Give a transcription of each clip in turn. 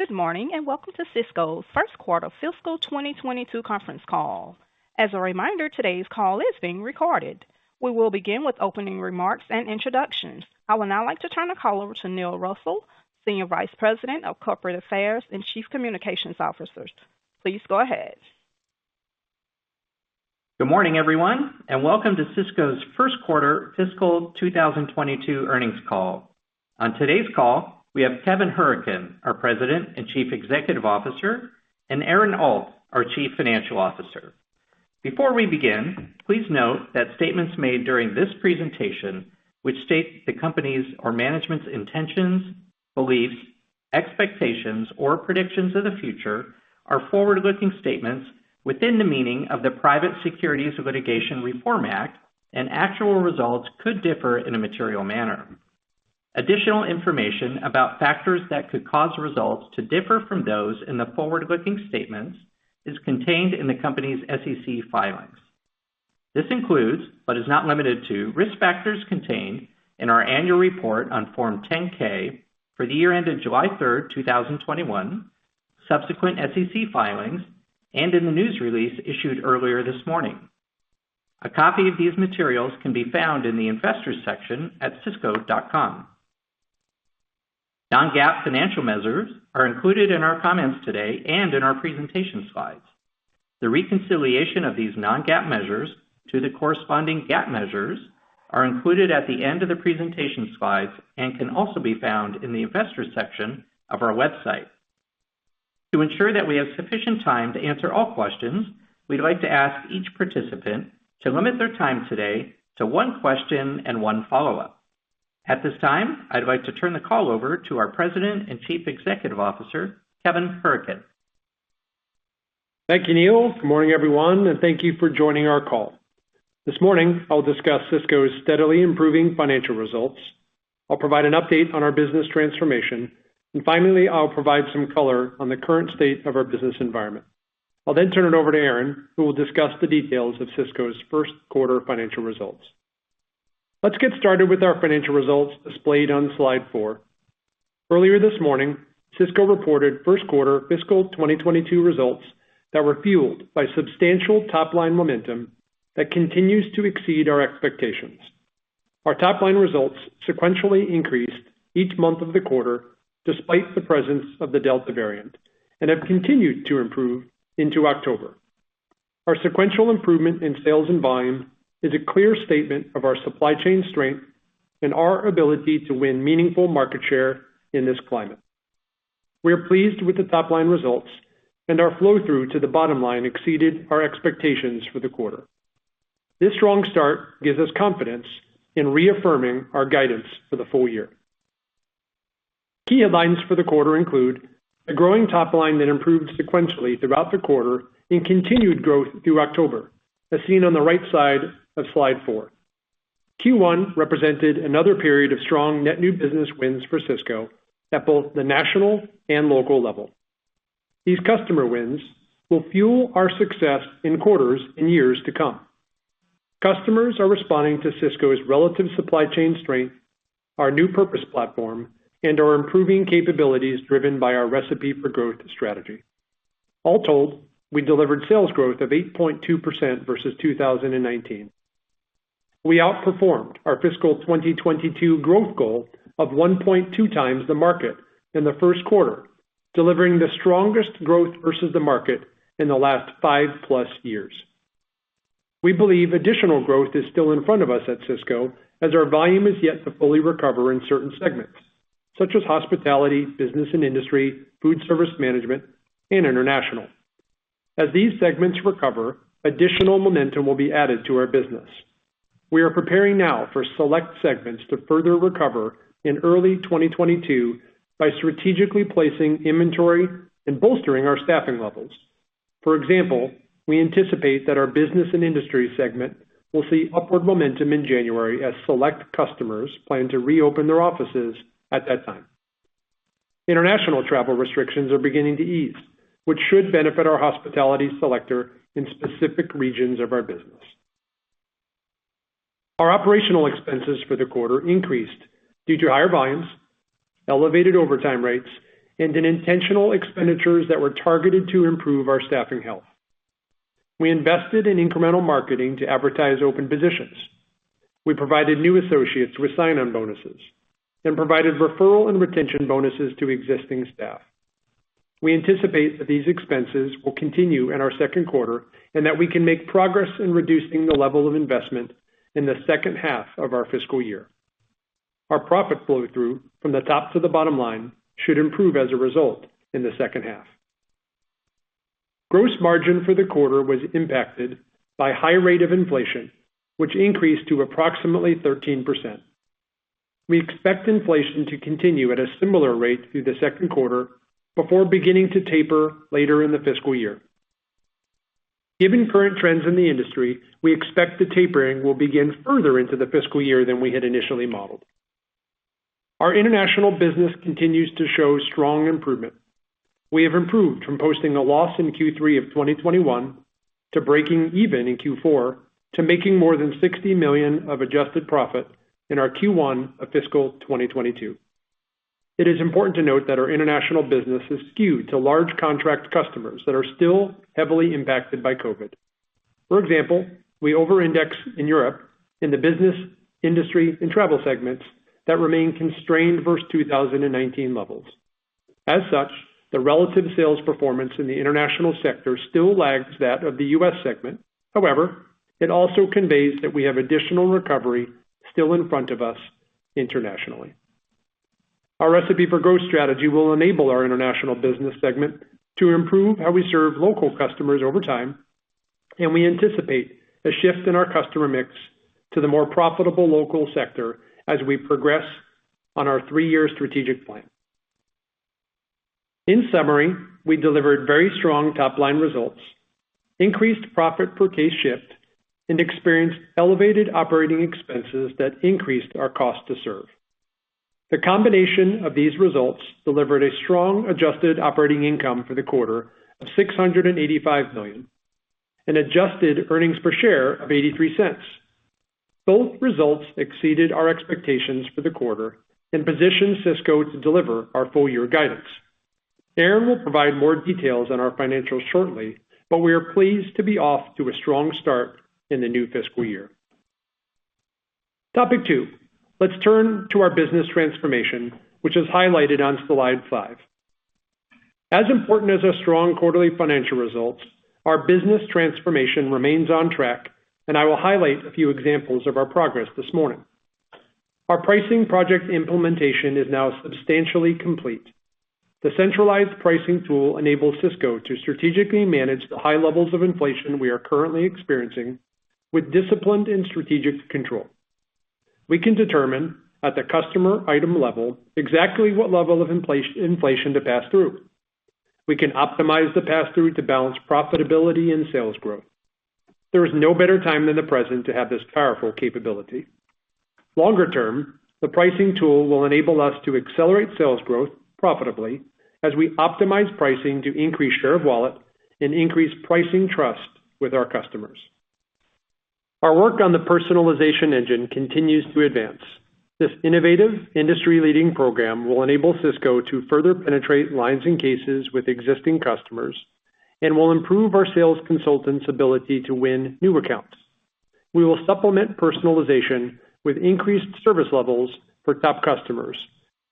Good morning, and welcome to Sysco's First Quarter Fiscal 2022 Conference Call. As a reminder, today's call is being recorded. We will begin with opening remarks and introductions. I would now like to turn the call over to Neil Russell, Senior Vice President of Corporate Affairs and Chief Communications Officer. Please go ahead. Good morning, everyone, and welcome to Sysco's First Quarter Fiscal 2022 Earnings Call. On today's call, we have Kevin Hourican, our President and Chief Executive Officer, and Aaron Alt, our Chief Financial Officer. Before we begin, please note that statements made during this presentation, which state the company's or management's intentions, beliefs, expectations, or predictions of the future, are forward-looking statements within the meaning of the Private Securities Litigation Reform Act, and actual results could differ in a material manner. Additional information about factors that could cause results to differ from those in the forward-looking statements is contained in the company's SEC filings. This includes, but is not limited to, risk factors contained in our annual report on Form 10-K for the year ended July 3, 2021, subsequent SEC filings, and in the news release issued earlier this morning. A copy of these materials can be found in the Investors section at sysco.com. Non-GAAP financial measures are included in our comments today and in our presentation slides. The reconciliation of these non-GAAP measures to the corresponding GAAP measures are included at the end of the presentation slides and can also be found in the Investors section of our website. To ensure that we have sufficient time to answer all questions, we'd like to ask each participant to limit their time today to one question and one follow-up. At this time, I'd like to turn the call over to our President and Chief Executive Officer, Kevin Hourican. Thank you, Neil. Good morning, everyone, and thank you for joining our call. This morning, I'll discuss Sysco's steadily improving financial results. I'll provide an update on our business transformation. Finally, I'll provide some color on the current state of our business environment. I'll then turn it over to Aaron, who will discuss the details of Sysco's first quarter financial results. Let's get started with our financial results displayed on slide 4. Earlier this morning, Sysco reported first quarter fiscal 2022 results that were fueled by substantial top line momentum that continues to exceed our expectations. Our top line results sequentially increased each month of the quarter despite the presence of the Delta variant and have continued to improve into October. Our sequential improvement in sales and volume is a clear statement of our supply chain strength and our ability to win meaningful market share in this climate. We are pleased with the top line results, and our flow-through to the bottom line exceeded our expectations for the quarter. This strong start gives us confidence in reaffirming our guidance for the full year. Key headlines for the quarter include a growing top line that improved sequentially throughout the quarter and continued growth through October, as seen on the right side of slide 4. Q1 represented another period of strong net new business wins for Sysco at both the national and local level. These customer wins will fuel our success in quarters and years to come. Customers are responding to Sysco's relative supply chain strength, our new purpose platform, and our improving capabilities driven by our Recipe for Growth strategy. All told, we delivered sales growth of 8.2% versus 2019. We outperformed our fiscal 2022 growth goal of 1.2 times the market in the first quarter, delivering the strongest growth versus the market in the last 5+ years. We believe additional growth is still in front of us at Sysco as our volume is yet to fully recover in certain segments, such as Hospitality, Business and Industry, Food Service Management, and International. As these segments recover, additional momentum will be added to our business. We are preparing now for select segments to further recover in early 2022 by strategically placing inventory and bolstering our staffing levels. For example, we anticipate that our Business and Industry segment will see upward momentum in January as select customers plan to reopen their offices at that time. International travel restrictions are beginning to ease, which should benefit our Hospitality sector in specific regions of our business. Our operational expenses for the quarter increased due to higher volumes, elevated overtime rates, and intentional expenditures that were targeted to improve our staffing health. We invested in incremental marketing to advertise open positions. We provided new associates with sign-on bonuses and provided referral and retention bonuses to existing staff. We anticipate that these expenses will continue in our second quarter, and that we can make progress in reducing the level of investment in the second half of our fiscal year. Our profit flow through from the top to the bottom line should improve as a result in the second half. Gross margin for the quarter was impacted by high rate of inflation, which increased to approximately 13%. We expect inflation to continue at a similar rate through the second quarter before beginning to taper later in the fiscal year. Given current trends in the industry, we expect the tapering will begin further into the fiscal year than we had initially modeled. Our International business continues to show strong improvement. We have improved from posting a loss in Q3 of 2021 to breaking even in Q4, to making more than $60 million of adjusted profit in our Q1 of fiscal 2022. It is important to note that our International business is skewed to large contract customers that are still heavily impacted by COVID. For example, we over-index in Europe in the Business, Industry and Travel segments that remain constrained versus 2019 levels. As such, the relative sales performance in the International sector still lags that of the U.S. segment. However, it also conveys that we have additional recovery still in front of us internationally. Our Recipe for Growth strategy will enable our International business segment to improve how we serve local customers over time, and we anticipate a shift in our customer mix to the more profitable local sector as we progress on our three-year strategic plan. In summary, we delivered very strong top line results, increased profit per case shift, and experienced elevated operating expenses that increased our cost to serve. The combination of these results delivered a strong adjusted operating income for the quarter of $685 million and adjusted earnings per share of $0.83. Both results exceeded our expectations for the quarter and positioned Sysco to deliver our full year guidance. Aaron Alt will provide more details on our financials shortly, but we are pleased to be off to a strong start in the new fiscal year. Topic 2. Let's turn to our business transformation, which is highlighted on slide 5. As important as our strong quarterly financial results, our business transformation remains on track, and I will highlight a few examples of our progress this morning. Our pricing project implementation is now substantially complete. The centralized pricing tool enables Sysco to strategically manage the high levels of inflation we are currently experiencing with disciplined and strategic control. We can determine at the customer item level exactly what level of inflation to pass through. We can optimize the pass through to balance profitability and sales growth. There is no better time than the present to have this powerful capability. Longer term, the pricing tool will enable us to accelerate sales growth profitably as we optimize pricing to increase share of wallet and increase pricing trust with our customers. Our work on the personalization engine continues to advance. This innovative industry-leading program will enable Sysco to further penetrate lines and cases with existing customers and will improve our sales consultants' ability to win new accounts. We will supplement personalization with increased service levels for top customers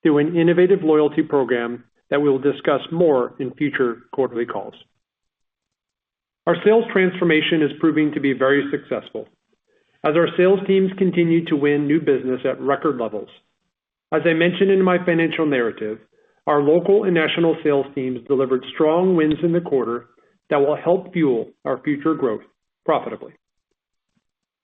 through an innovative loyalty program that we'll discuss more in future quarterly calls. Our sales transformation is proving to be very successful as our sales teams continue to win new business at record levels. As I mentioned in my financial narrative, our local and national sales teams delivered strong wins in the quarter that will help fuel our future growth profitably.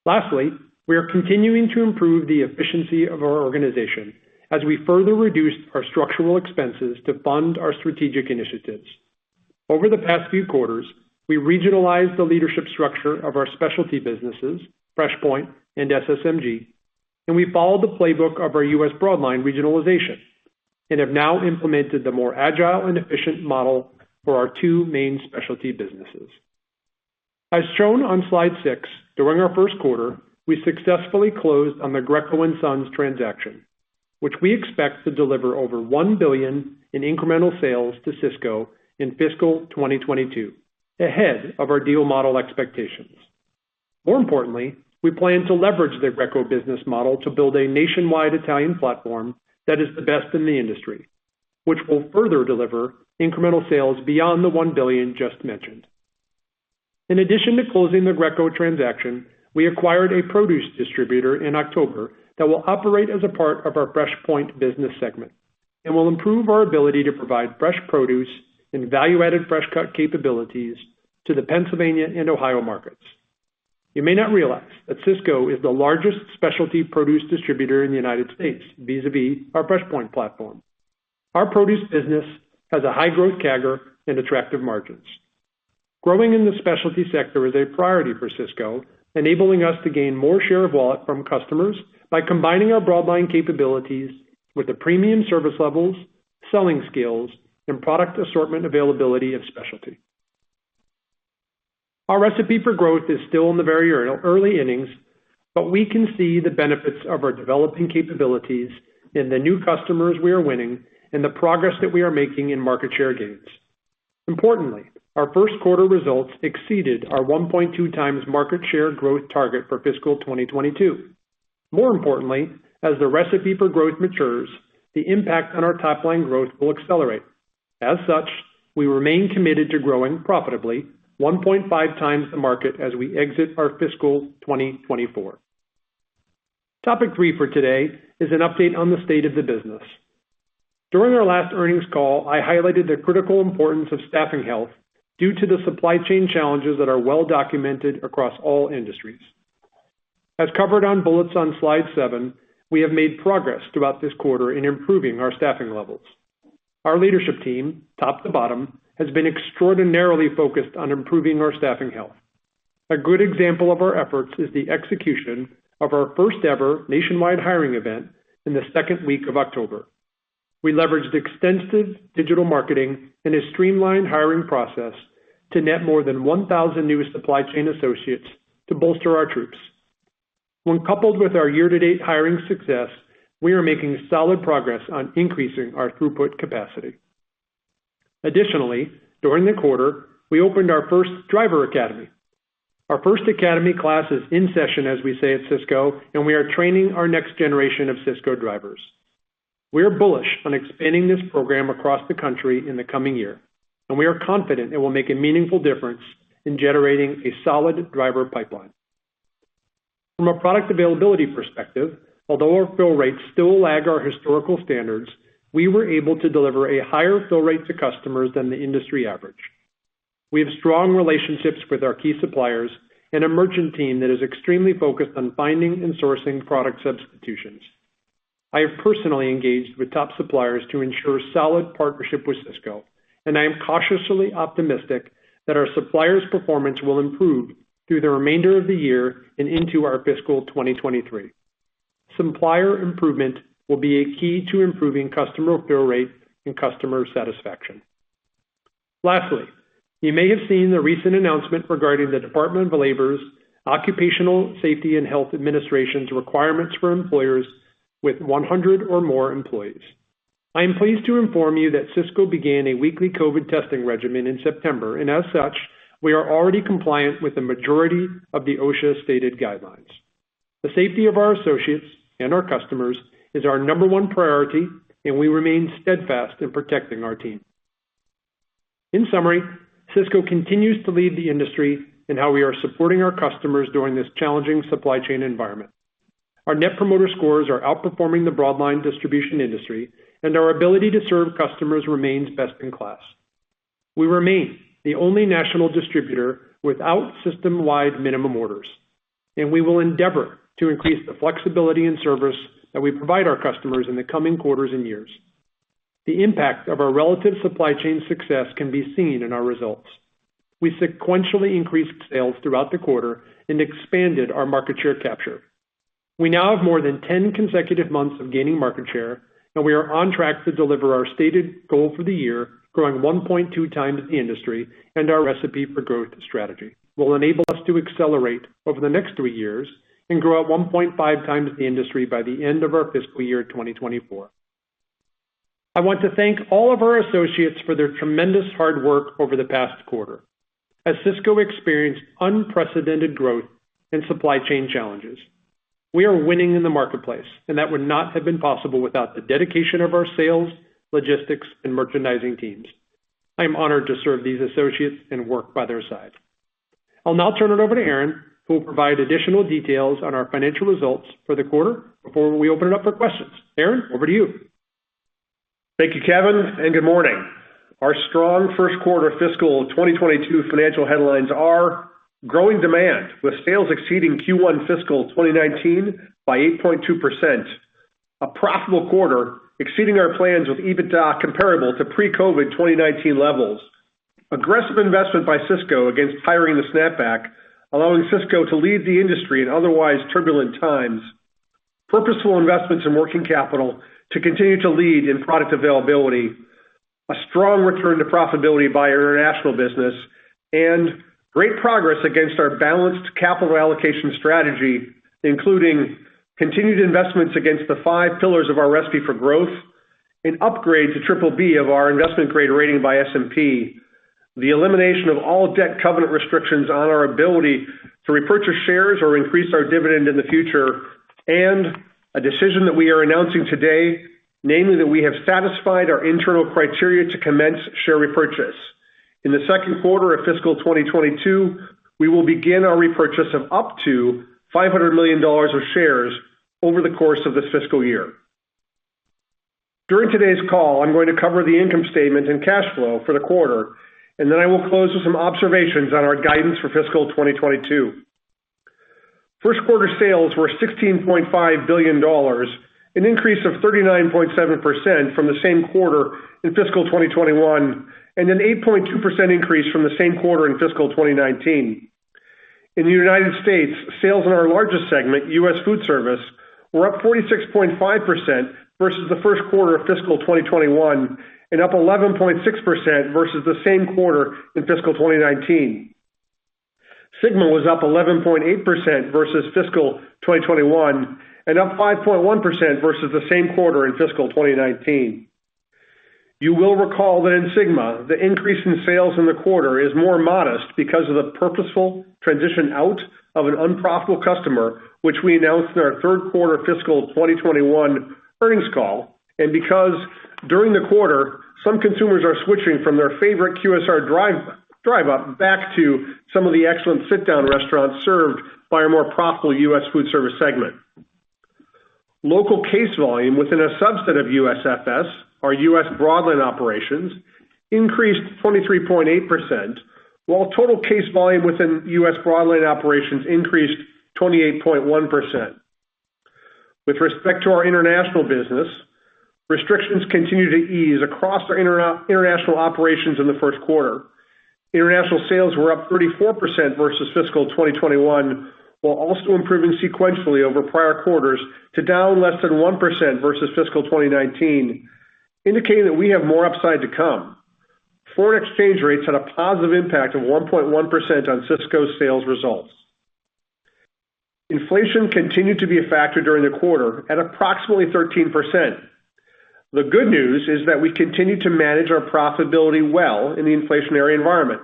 Lastly, we are continuing to improve the efficiency of our organization as we further reduce our structural expenses to fund our strategic initiatives. Over the past few quarters, we regionalized the leadership structure of our specialty businesses, FreshPoint and SSMG, and we followed the playbook of our U.S. Broadline regionalization and have now implemented the more agile and efficient model for our two main specialty businesses. As shown on slide 6, during our first quarter, we successfully closed on the Greco and Sons transaction, which we expect to deliver over $1 billion in incremental sales to Sysco in fiscal 2022, ahead of our deal model expectations. More importantly, we plan to leverage the Greco business model to build a nationwide Italian platform that is the best in the industry, which will further deliver incremental sales beyond the $1 billion just mentioned. In addition to closing the Greco transaction, we acquired a produce distributor in October that will operate as a part of our FreshPoint business segment and will improve our ability to provide fresh produce and value-added fresh cut capabilities to the Pennsylvania and Ohio markets. You may not realize that Sysco is the largest specialty produce distributor in the United States vis-a-vis our FreshPoint platform. Our produce business has a high growth CAGR and attractive margins. Growing in the specialty sector is a priority for Sysco, enabling us to gain more share of wallet from customers by combining our Broadline capabilities with the premium service levels, selling skills and product assortment availability of specialty. Our Recipe for Growth is still in the very early innings, but we can see the benefits of our developing capabilities in the new customers we are winning and the progress that we are making in market share gains. Importantly, our first quarter results exceeded our 1.2 times market share growth target for fiscal 2022. More importantly, as the Recipe for Growth matures, the impact on our top line growth will accelerate. As such, we remain committed to growing profitably 1.5 times the market as we exit our fiscal 2024. Topic 3 for today is an update on the state of the business. During our last earnings call, I highlighted the critical importance of staffing health due to the supply chain challenges that are well documented across all industries. As covered on bullets on slide 7, we have made progress throughout this quarter in improving our staffing levels. Our leadership team, top to bottom, has been extraordinarily focused on improving our staffing health. A good example of our efforts is the execution of our first ever nationwide hiring event in the second week of October. We leveraged extensive digital marketing and a streamlined hiring process to net more than 1,000 new supply chain associates to bolster our troops. When coupled with our year-to-date hiring success, we are making solid progress on increasing our throughput capacity. Additionally, during the quarter, we opened our first driver academy. Our first academy class is in session, as we say at Sysco, and we are training our next generation of Sysco drivers. We are bullish on expanding this program across the country in the coming year, and we are confident it will make a meaningful difference in generating a solid driver pipeline. From a product availability perspective, although our fill rates still lag our historical standards, we were able to deliver a higher fill rate to customers than the industry average. We have strong relationships with our key suppliers and a merchant team that is extremely focused on finding and sourcing product substitutions. I have personally engaged with top suppliers to ensure solid partnership with Sysco, and I am cautiously optimistic that our suppliers' performance will improve through the remainder of the year and into our fiscal 2023. Supplier improvement will be a key to improving customer fill rate and customer satisfaction. Lastly, you may have seen the recent announcement regarding the Department of Labor's Occupational Safety and Health Administration's requirements for employers with 100 or more employees. I am pleased to inform you that Sysco began a weekly COVID testing regimen in September, and as such, we are already compliant with the majority of the OSHA stated guidelines. The safety of our associates and our customers is our number one priority, and we remain steadfast in protecting our team. In summary, Sysco continues to lead the industry in how we are supporting our customers during this challenging supply chain environment. Our Net Promoter Scores are outperforming the Broadline distribution industry and our ability to serve customers remains best in class. We remain the only national distributor without system-wide minimum orders, and we will endeavor to increase the flexibility and service that we provide our customers in the coming quarters and years. The impact of our relative supply chain success can be seen in our results. We sequentially increased sales throughout the quarter and expanded our market share capture. We now have more than 10 consecutive months of gaining market share, and we are on track to deliver our stated goal for the year, growing 1.2 times the industry and our Recipe for Growth strategy will enable us to accelerate over the next three years and grow at 1.5 times the industry by the end of our fiscal year 2024. I want to thank all of our associates for their tremendous hard work over the past quarter. As Sysco experienced unprecedented growth and supply chain challenges, we are winning in the marketplace, and that would not have been possible without the dedication of our sales, logistics, and merchandising teams. I am honored to serve these associates and work by their side. I'll now turn it over to Aaron, who will provide additional details on our financial results for the quarter before we open it up for questions. Aaron, over to you. Thank you, Kevin, and good morning. Our strong first quarter fiscal 2022 financial headlines are growing demand with sales exceeding Q1 fiscal 2019 by 8.2%. A profitable quarter exceeding our plans with EBITDA comparable to pre-COVID 2019 levels. Aggressive investment by Sysco against hiring the snapback, allowing Sysco to lead the industry in otherwise turbulent times. Purposeful investments in working capital to continue to lead in product availability. A strong return to profitability by our International business and great progress against our balanced capital allocation strategy, including continued investments against the five pillars of our Recipe for Growth. An upgrade to BBB of our investment grade rating by S&P. The elimination of all debt covenant restrictions on our ability to repurchase shares or increase our dividend in the future. A decision that we are announcing today, namely that we have satisfied our internal criteria to commence share repurchase. In the second quarter of fiscal 2022, we will begin our repurchase of up to $500 million of shares over the course of this fiscal year. During today's call, I'm going to cover the income statement and cash flow for the quarter, and then I will close with some observations on our guidance for fiscal 2022. First quarter sales were $16.5 billion, an increase of 39.7% from the same quarter in fiscal 2021, and an 8.2% increase from the same quarter in fiscal 2019. In the United States, sales in our largest segment, U.S. Foodservice, were up 46.5% versus the first quarter of fiscal 2021 and up 11.6% versus the same quarter in fiscal 2019. SYGMA was up 11.8% versus fiscal 2021 and up 5.1% versus the same quarter in fiscal 2019. You will recall that in SYGMA, the increase in sales in the quarter is more modest because of the purposeful transition out of an unprofitable customer, which we announced in our third quarter fiscal 2021 earnings call, and because during the quarter, some consumers are switching from their favorite QSR drive-up back to some of the excellent sit-down restaurants served by our more profitable U.S. Foodservice segment. Local case volume within a subset of USFS, our U.S. Broadline operations, increased 23.8%, while total case volume within U.S. Broadline operations increased 28.1%. With respect to our International business, restrictions continue to ease across our international operations in the first quarter. International sales were up 34% versus fiscal 2021, while also improving sequentially over prior quarters to down less than 1% versus fiscal 2019, indicating that we have more upside to come. Foreign exchange rates had a positive impact of 1.1% on Sysco's sales results. Inflation continued to be a factor during the quarter at approximately 13%. The good news is that we continue to manage our profitability well in the inflationary environment.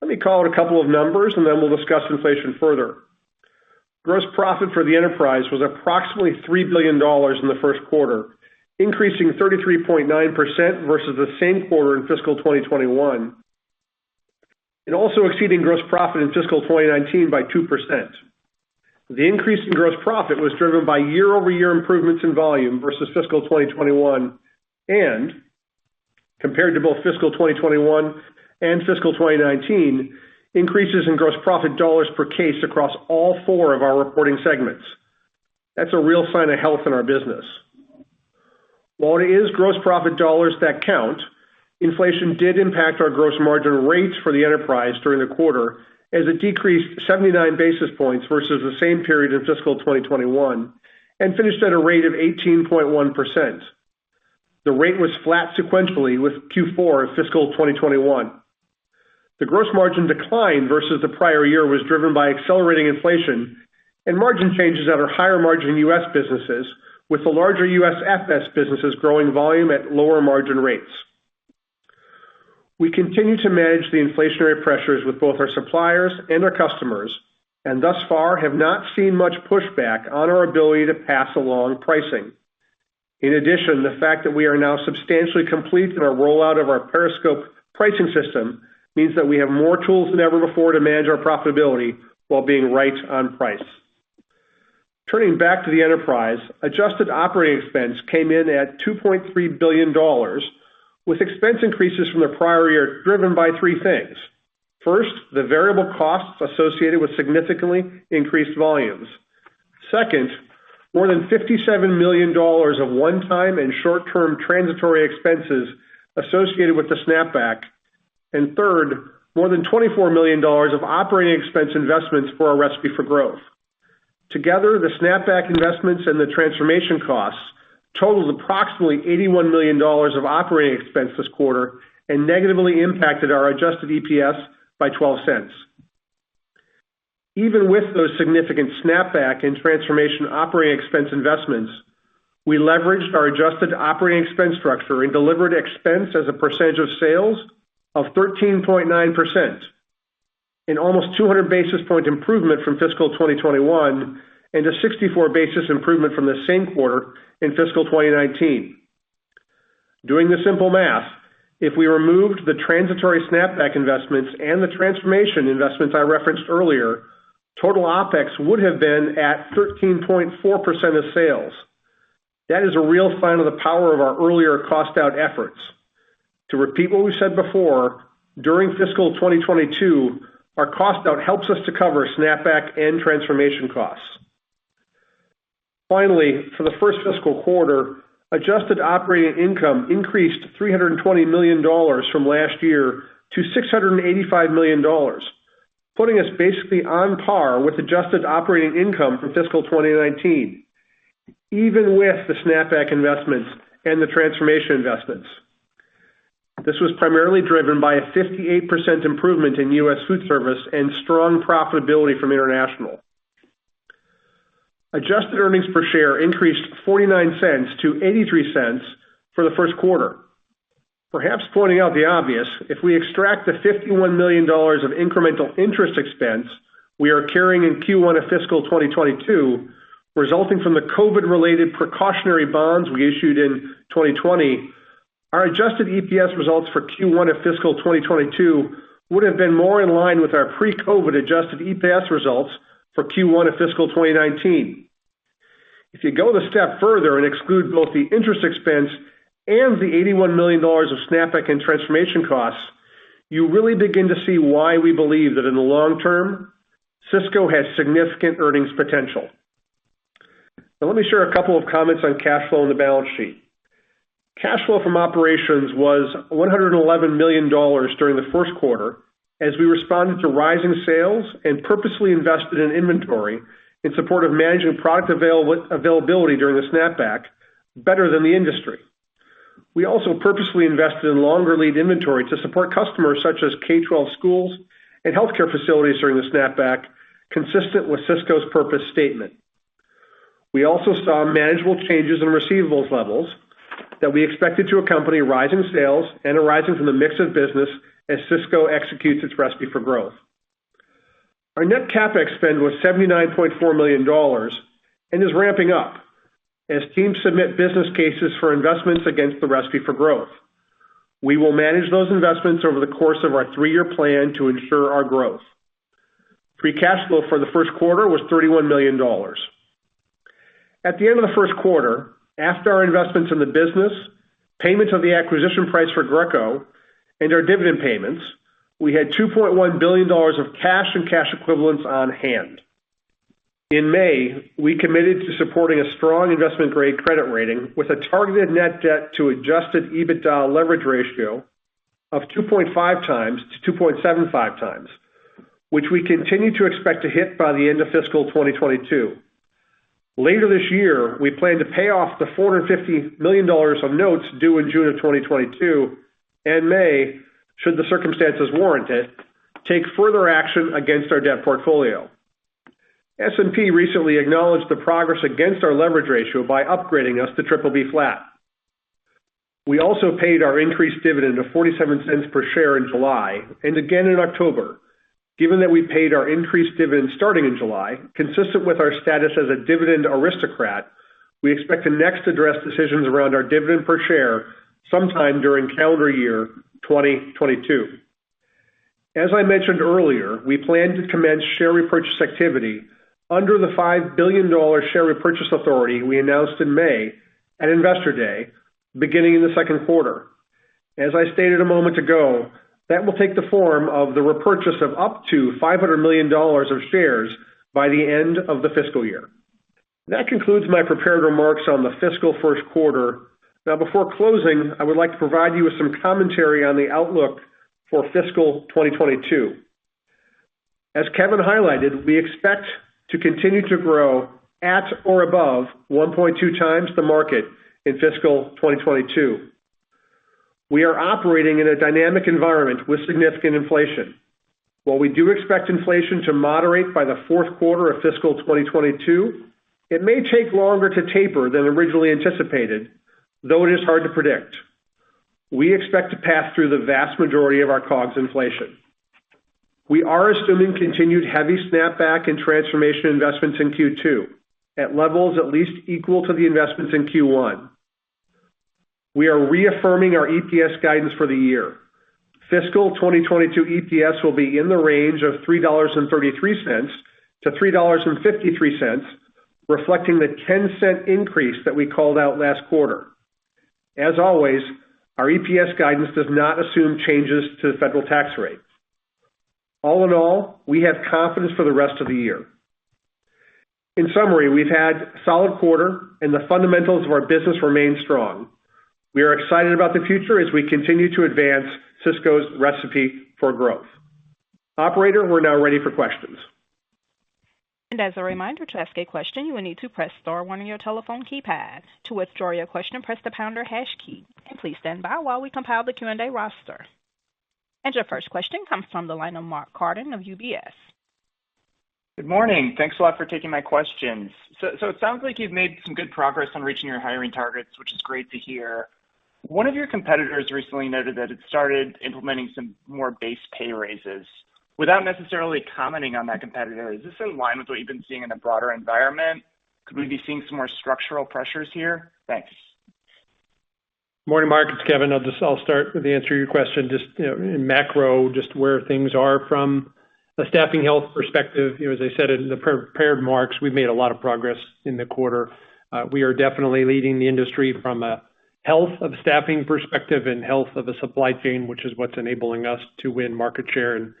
Let me call out a couple of numbers and then we'll discuss inflation further. Gross profit for the enterprise was approximately $3 billion in the first quarter, increasing 33.9% versus the same quarter in fiscal 2021, and also exceeding gross profit in fiscal 2019 by 2%. The increase in gross profit was driven by year-over-year improvements in volume versus fiscal 2021, and compared to both fiscal 2021 and fiscal 2019, increases in gross profit dollars per case across all four of our reporting segments. That's a real sign of health in our business. While it is gross profit dollars that count, inflation did impact our gross margin rates for the enterprise during the quarter as it decreased 79 basis points versus the same period in fiscal 2021 and finished at a rate of 18.1%. The rate was flat sequentially with Q4 of fiscal 2021. The gross margin decline versus the prior year was driven by accelerating inflation and margin changes at our higher margin U.S. businesses, with the larger U.S. FS businesses growing volume at lower margin rates. We continue to manage the inflationary pressures with both our suppliers and our customers, and thus far have not seen much pushback on our ability to pass along pricing. In addition, the fact that we are now substantially complete in our rollout of our Periscope pricing system means that we have more tools than ever before to manage our profitability while being right on price. Turning back to the enterprise, adjusted operating expense came in at $2.3 billion, with expense increases from the prior year driven by three things. First, the variable costs associated with significantly increased volumes. Second, more than $57 million of one-time and short-term transitory expenses associated with the snapback. Third, more than $24 million of operating expense investments for our Recipe for Growth. Together, the snapback investments and the transformation costs totaled approximately $81 million of operating expense this quarter and negatively impacted our adjusted EPS by $0.12. Even with those significant snapback and transformation operating expense investments, we leveraged our adjusted operating expense structure and delivered expense as a percentage of sales of 13.9%, an almost 200 basis point improvement from fiscal 2021 and a 64 basis improvement from the same quarter in fiscal 2019. Doing the simple math, if we removed the transitory snapback investments and the transformation investments I referenced earlier, total OpEx would have been at 13.4% of sales. That is a real sign of the power of our earlier cost out efforts. To repeat what we said before, during fiscal 2022, our cost out helps us to cover snapback and transformation costs. Finally, for the first fiscal quarter, adjusted operating income increased $320 million from last year to $685 million, putting us basically on par with adjusted operating income from fiscal 2019, even with the snapback investments and the transformation investments. This was primarily driven by a 58% improvement in U.S. Foodservice and strong profitability from International. Adjusted earnings per share increased $0.49 to $0.83 for the first fiscal quarter. Perhaps pointing out the obvious, if we extract the $51 million of incremental interest expense we are carrying in Q1 of fiscal 2022, resulting from the COVID-related precautionary bonds we issued in 2020, our Adjusted EPS results for Q1 of fiscal 2022 would have been more in line with our pre-COVID Adjusted EPS results for Q1 of fiscal 2019. If you go one step further and exclude both the interest expense and the $81 million of snapback and transformation costs, you really begin to see why we believe that in the long term, Sysco has significant earnings potential. Now let me share a couple of comments on cash flow and the balance sheet. Cash flow from operations was $111 million during the first quarter as we responded to rising sales and purposely invested in inventory in support of managing product availability during the snapback better than the industry. We also purposely invested in longer lead inventory to support customers such as K-12 schools and healthcare facilities during the snapback, consistent with Sysco's purpose statement. We also saw manageable changes in receivables levels that we expected to accompany rising sales and a rise in the mix of business as Sysco executes its Recipe for Growth. Our net CapEx spend was $79.4 million and is ramping up as teams submit business cases for investments against the Recipe for Growth. We will manage those investments over the course of our three-year plan to ensure our growth. Free cash flow for the first quarter was $31 million. At the end of the first quarter, after our investments in the business, payments of the acquisition price for Greco and our dividend payments. We had $2.1 billion of cash and cash equivalents on hand. In May, we committed to supporting a strong investment-grade credit rating with a targeted net debt to Adjusted EBITDA leverage ratio of 2.5x-2.75x, which we continue to expect to hit by the end of fiscal 2022. Later this year, we plan to pay off the $450 million of notes due in June 2022, and May should the circumstances warrant it, take further action against our debt portfolio. S&P recently acknowledged the progress against our leverage ratio by upgrading us to BBB flat. We also paid our increased dividend of $0.47 per share in July and again in October. Given that we paid our increased dividend starting in July, consistent with our status as a dividend aristocrat, we expect to next address decisions around our dividend per share sometime during calendar year 2022. As I mentioned earlier, we plan to commence share repurchase activity under the $5 billion share repurchase authority we announced in May at Investor Day, beginning in the second quarter. As I stated a moment ago, that will take the form of the repurchase of up to $500 million of shares by the end of the fiscal year. That concludes my prepared remarks on the fiscal first quarter. Now, before closing, I would like to provide you with some commentary on the outlook for fiscal 2022. As Kevin highlighted, we expect to continue to grow at or above 1.2 times the market in fiscal 2022. We are operating in a dynamic environment with significant inflation. While we do expect inflation to moderate by the fourth quarter of fiscal 2022, it may take longer to taper than originally anticipated, though it is hard to predict. We expect to pass through the vast majority of our COGS inflation. We are assuming continued heavy snapback and transformation investments in Q2 at levels at least equal to the investments in Q1. We are reaffirming our EPS guidance for the year. Fiscal 2022 EPS will be in the range of $3.33-$3.53, reflecting the 10-cent increase that we called out last quarter. As always, our EPS guidance does not assume changes to the federal tax rate. All in all, we have confidence for the rest of the year. In summary, we've had a solid quarter and the fundamentals of our business remain strong. We are excited about the future as we continue to advance Sysco's Recipe for Growth. Operator, we're now ready for questions. As a reminder, to ask a question, you will need to press star 1 on your telephone keypad. To withdraw your question, press the pound or hash key and please stand by while we compile the Q&A roster. Your first question comes from the line of Mark Carden of UBS. Good morning. Thanks a lot for taking my questions. It sounds like you've made some good progress on reaching your hiring targets, which is great to hear. One of your competitors recently noted that it started implementing some more base pay raises. Without necessarily commenting on that competitor, is this in line with what you've been seeing in a broader environment? Could we be seeing some more structural pressures here? Thanks. Morning, Mark, it's Kevin. I'll start with the answer to your question. Just, you know, in macro, just where things are from a staffing health perspective. You know, as I said in the pre-prepared remarks, we've made a lot of progress in the quarter. We are definitely leading the industry from a health of staffing perspective and health of a supply chain, which is what's enabling us to win market share.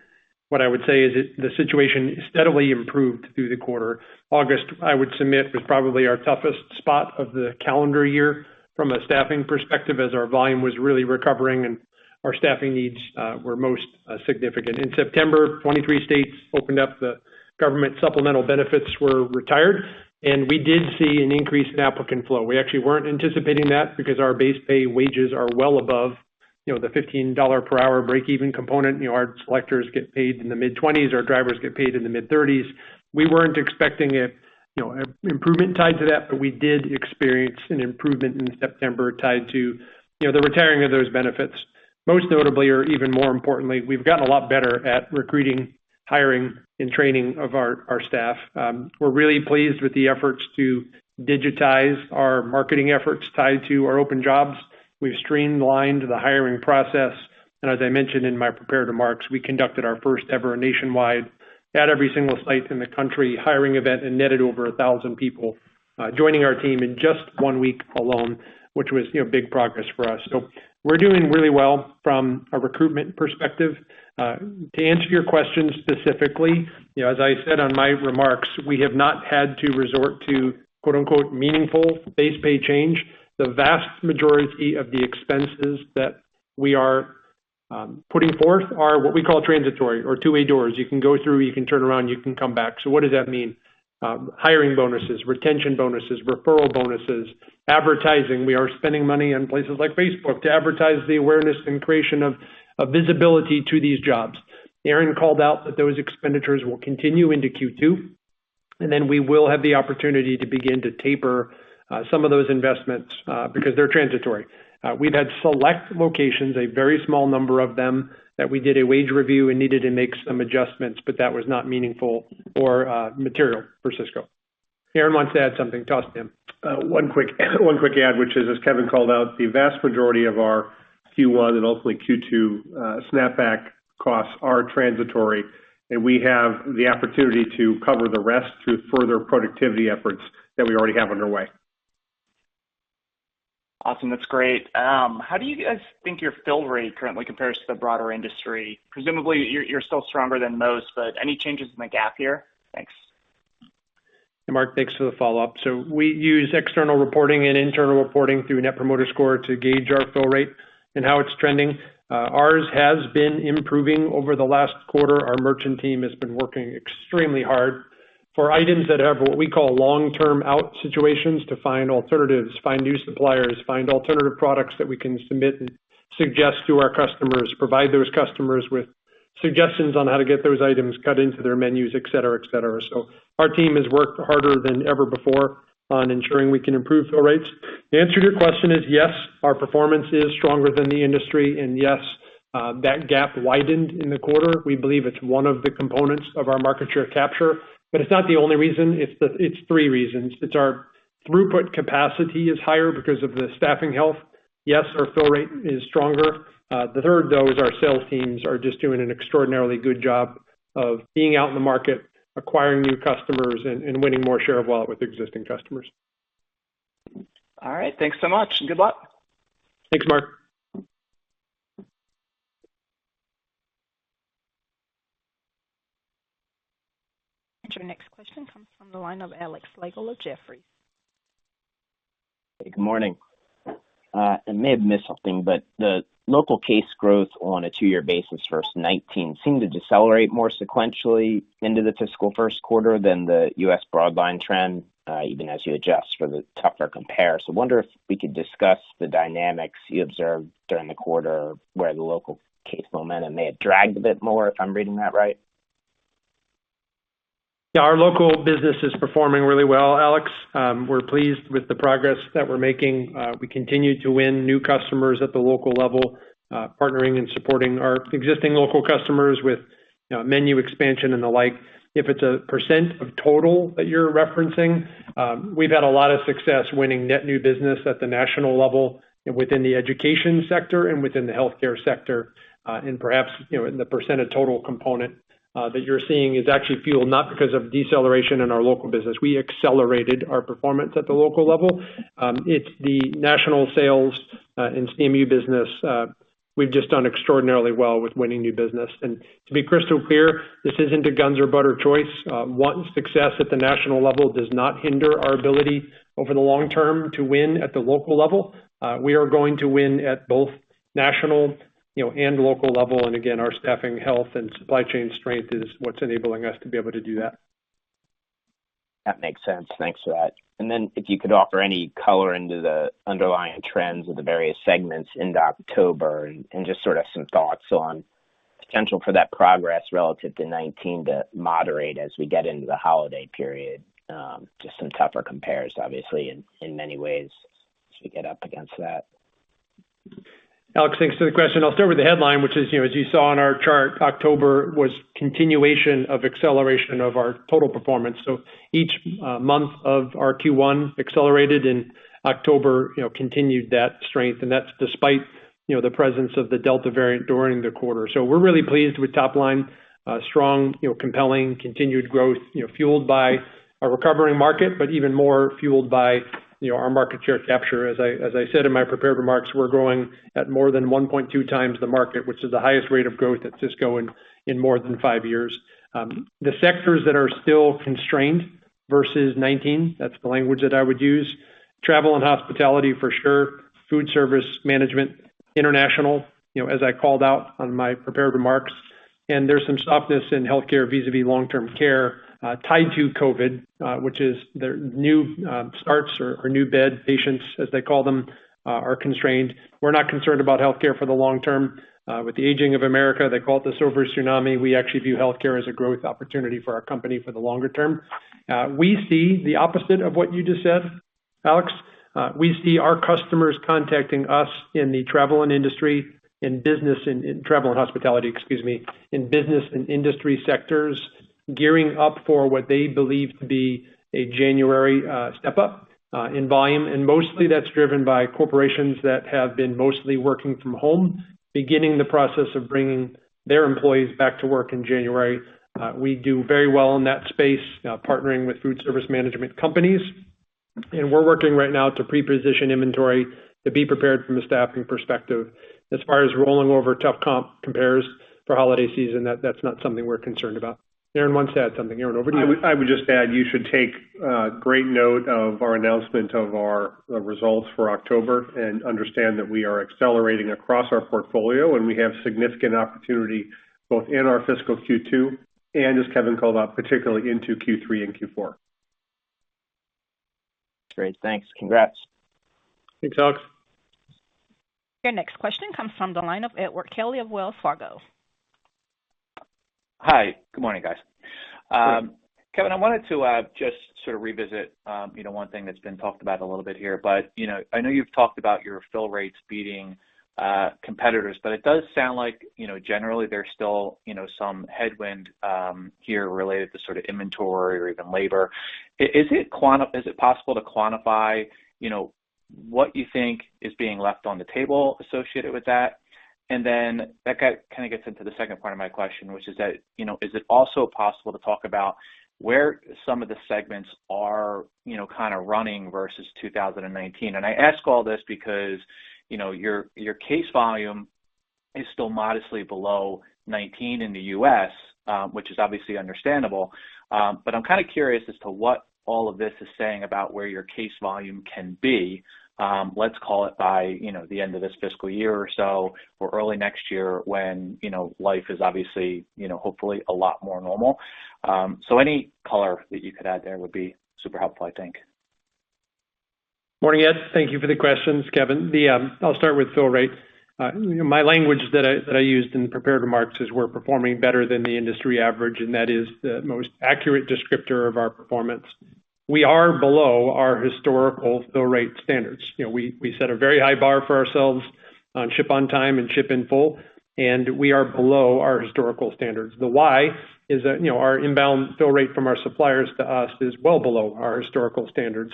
What I would say is the situation steadily improved through the quarter. August, I would submit, was probably our toughest spot of the calendar year from a staffing perspective, as our volume was really recovering and our staffing needs were most significant. In September, 23 states opened up. The government supplemental benefits were retired, and we did see an increase in applicant flow. We actually weren't anticipating that because our base pay wages are well above, you know, the $15 per hour break-even component. You know, our selectors get paid in the mid-20s. Our drivers get paid in the mid-30s. We weren't expecting a, you know, improvement tied to that, but we did experience an improvement in September tied to, you know, the retiring of those benefits. Most notably, or even more importantly, we've gotten a lot better at recruiting, hiring, and training of our staff. We're really pleased with the efforts to digitize our marketing efforts tied to our open jobs. We've streamlined the hiring process. As I mentioned in my prepared remarks, we conducted our first ever nationwide at every single site in the country hiring event and netted over 1,000 people joining our team in just one week alone, which was, you know, big progress for us. We're doing really well from a recruitment perspective. To answer your question specifically, you know, as I said on my remarks, we have not had to resort to quote-unquote meaningful base pay change. The vast majority of the expenses that we are putting forth are what we call transitory or two-way doors. You can go through, you can turn around, you can come back. What does that mean? Hiring bonuses, retention bonuses, referral bonuses, advertising. We are spending money on places like Facebook to advertise the awareness and creation of visibility to these jobs. Aaron called out that those expenditures will continue into Q2, and then we will have the opportunity to begin to taper some of those investments because they're transitory. We've had select locations, a very small number of them, that we did a wage review and needed to make some adjustments, but that was not meaningful or material for Sysco. Aaron wants to add something. Toss to him. One quick add, which is, as Kevin called out, the vast majority of our Q1 and hopefully Q2 snapback costs are transitory, and we have the opportunity to cover the rest through further productivity efforts that we already have underway. Awesome. That's great. How do you guys think your fill rate currently compares to the broader industry? Presumably you're still stronger than most, but any changes in the gap here? Thanks. Mark, thanks for the follow-up. We use external reporting and internal reporting through Net Promoter Score to gauge our fill rate and how it's trending. Ours has been improving over the last quarter. Our merchant team has been working extremely hard for items that have what we call long-term out situations to find alternatives, find new suppliers, find alternative products that we can submit and suggest to our customers, provide those customers with suggestions on how to get those items cut into their menus, et cetera, et cetera. Our team has worked harder than ever before on ensuring we can improve fill rates. The answer to your question is, yes, our performance is stronger than the industry. Yes, that gap widened in the quarter. We believe it's one of the components of our market share capture. It's not the only reason. It's three reasons. It's our throughput capacity is higher because of the staffing health. Yes, our fill rate is stronger. The third, though, is our sales teams are just doing an extraordinarily good job of being out in the market, acquiring new customers and winning more share of wallet with existing customers. All right. Thanks so much, and good luck. Thanks, Mark. Your next question comes from the line of Alex Slagle of Jefferies. Good morning. I may have missed something, but the local case growth on a two-year basis versus 2019 seemed to decelerate more sequentially into the fiscal first quarter than the U.S. Broadline trend, even as you adjust for the tougher compare. I wonder if we could discuss the dynamics you observed during the quarter where the local case momentum may have dragged a bit more, if I'm reading that right. Yeah, our local business is performing really well, Alex. We're pleased with the progress that we're making. We continue to win new customers at the local level, partnering and supporting our existing local customers with, you know, menu expansion and the like. If it's a percent of total that you're referencing, we've had a lot of success winning net new business at the national level and within the Education sector and within the Healthcare sector. Perhaps, you know, in the percent of total component, that you're seeing is actually fueled not because of deceleration in our local business. We accelerated our performance at the local level. It's the national sales and CMU business. We've just done extraordinarily well with winning new business. To be crystal clear, this isn't a guns or butter choice. One success at the national level does not hinder our ability over the long term to win at the local level. We are going to win at both national, you know, and local level. Again, our staffing health and supply chain strength is what's enabling us to be able to do that. That makes sense. Thanks for that. If you could offer any color into the underlying trends of the various segments into October and just sort of some thoughts on potential for that progress relative to 2019 to moderate as we get into the holiday period. Just some tougher compares, obviously, in many ways as we get up against that. Alex, thanks for the question. I'll start with the headline, which is, you know, as you saw in our chart, October was continuation of acceleration of our total performance. Each month of our Q1 accelerated and October continued that strength. That's despite the presence of the Delta variant during the quarter. We're really pleased with top line strong, compelling, continued growth fueled by a recovering market, but even more fueled by our market share capture. As I said in my prepared remarks, we're growing at more than 1.2 times the market, which is the highest rate of growth at Sysco in more than five years. The sectors that are still constrained versus 2019, that's the language that I would use. Travel and Hospitality for sure. Foodservice, Management, International, you know, as I called out on my prepared remarks. There's some softness in healthcare vis-à-vis long-term care, tied to COVID, which is the new starts or new bed patients, as they call them, are constrained. We're not concerned about healthcare for the long term. With the aging of America, they call it the silver tsunami. We actually view healthcare as a growth opportunity for our company for the longer term. We see the opposite of what you just said, Alex. We see our customers contacting us in the Travel and Industry, in business and Travel and Hospitality, excuse me, in Business and Industry sectors, gearing up for what they believe to be a January step-up in volume. Mostly that's driven by corporations that have been mostly working from home, beginning the process of bringing their employees back to work in January. We do very well in that space, partnering with food service management companies. We're working right now to pre-position inventory to be prepared from a staffing perspective. As far as rolling over tough compares for holiday season, that's not something we're concerned about. Aaron wants to add something. Aaron, over to you. I would just add, you should take great note of our announcement of our results for October and understand that we are accelerating across our portfolio, and we have significant opportunity both in our fiscal Q2 and as Kevin called out, particularly into Q3 and Q4. Great. Thanks. Congrats. Thanks, Alex. Your next question comes from the line of Edward Kelly of Wells Fargo. Hi. Good morning, guys. Kevin, I wanted to just sort of revisit you know one thing that's been talked about a little bit here, but you know I know you've talked about your fill rates beating competitors, but it does sound like you know generally there's still you know some headwind here related to sort of inventory or even labor. Is it possible to quantify you know what you think is being left on the table associated with that? And then that kind of gets into the second part of my question, which is that you know is it also possible to talk about where some of the segments are you know kind of running versus 2019? I ask all this because, you know, your case volume is still modestly below 2019 in the U.S., which is obviously understandable. I'm kind of curious as to what all of this is saying about where your case volume can be, let's call it by, you know, the end of this fiscal year or so or early next year when, you know, life is obviously, you know, hopefully a lot more normal. Any color that you could add there would be super helpful, I think. Morning, Ed. Thank you for the questions. It's Kevin. I'll start with fill rate. My language that I used in the prepared remarks is we're performing better than the industry average, and that is the most accurate descriptor of our performance. We are below our historical fill rate standards. You know, we set a very high bar for ourselves on ship on time and ship in full, and we are below our historical standards. The why is that, you know, our inbound fill rate from our suppliers to us is well below our historical standards.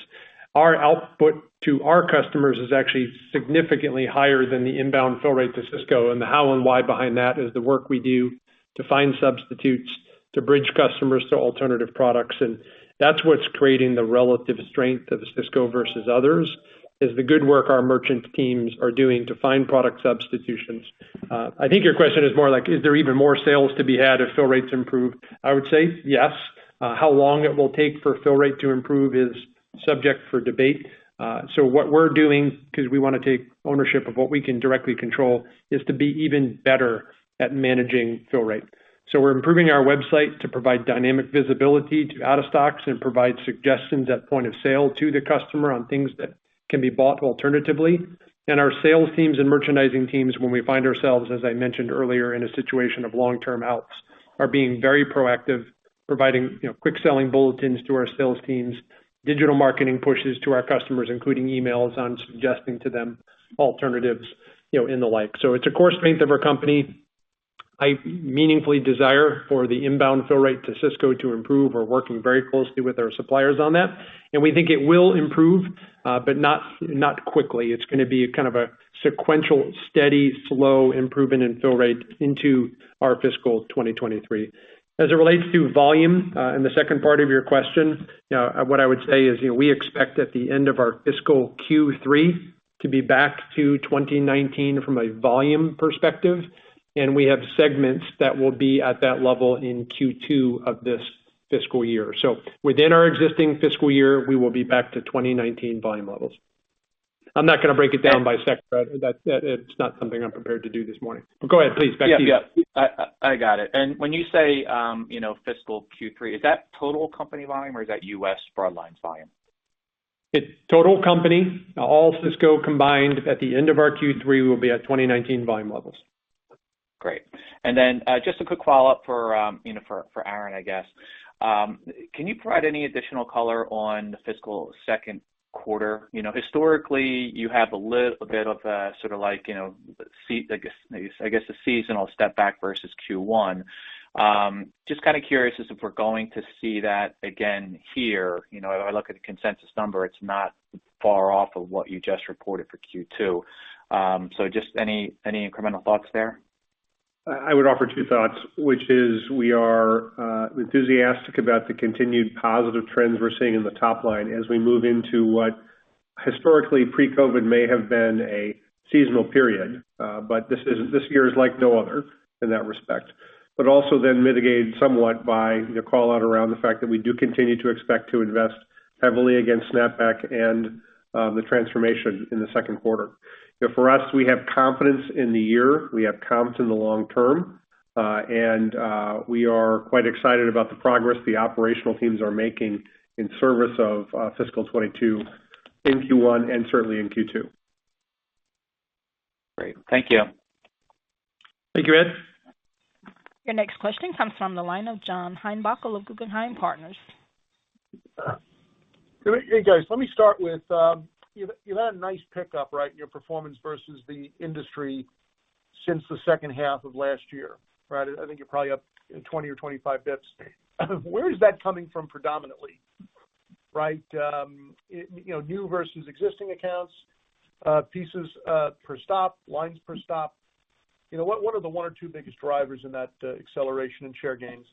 Our output to our customers is actually significantly higher than the inbound fill rate to Sysco. The how and why behind that is the work we do to find substitutes to bridge customers to alternative products. That's what's creating the relative strength of Sysco versus others, is the good work our merchant teams are doing to find product substitutions. I think your question is more like, is there even more sales to be had if fill rates improve? I would say yes. How long it will take for fill rate to improve is subject for debate. What we're doing, because we wanna take ownership of what we can directly control, is to be even better at managing fill rate. We're improving our website to provide dynamic visibility to out of stocks and provide suggestions at point of sale to the customer on things that can be bought alternatively. Our sales teams and merchandising teams, when we find ourselves, as I mentioned earlier, in a situation of long-term outs, are being very proactive, providing, you know, quick selling bulletins to our sales teams, digital marketing pushes to our customers, including emails on suggesting to them alternatives, you know, and the like. It's a core strength of our company. I mean, I desire for the inbound fill rate to Sysco to improve. We're working very closely with our suppliers on that, and we think it will improve, but not quickly. It's gonna be kind of a sequential, steady, slow improvement in fill rate into our fiscal 2023. As it relates to volume, and the second part of your question, what I would say is, you know, we expect at the end of our fiscal Q3 to be back to 2019 from a volume perspective, and we have segments that will be at that level in Q2 of this fiscal year. So within our existing fiscal year, we will be back to 2019 volume levels. I'm not gonna break it down by sector. That, it's not something I'm prepared to do this morning. Go ahead, please. Back to you. Yeah. Yeah, I got it. When you say fiscal Q3, is that total company volume or is that U.S. Broadline volume? It's total company. All Sysco combined at the end of our Q3 will be at 2019 volume levels. Great. Just a quick follow-up for, you know, for Aaron, I guess. Can you provide any additional color on the fiscal second quarter? You know, historically, you have a bit of a sort of like, you know, a seasonal step back versus Q1. Just kind of curious as if we're going to see that again here. You know, if I look at the consensus number, it's not far off of what you just reported for Q2. Just any incremental thoughts there? I would offer two thoughts, which is we are enthusiastic about the continued positive trends we're seeing in the top line as we move into what historically pre-COVID may have been a seasonal period. This year is like no other in that respect. Also then mitigated somewhat by the call out around the fact that we do continue to expect to invest heavily against snapback and the transformation in the second quarter. You know, for us, we have confidence in the year. We have confidence in the long term. We are quite excited about the progress the operational teams are making in service of fiscal 2022 in Q1 and certainly in Q2. Great. Thank you. Thank you, Ed. Your next question comes from the line of John Heinbockel of Guggenheim Partners. Hey, guys. Let me start with, you've had a nice pickup, right, in your performance versus the industry since the second half of last year, right? I think you're probably up 20 or 25 bits. Where is that coming from predominantly, right? You know, new versus existing accounts, pieces per stop, lines per stop. You know, what are the one or two biggest drivers in that acceleration in share gains?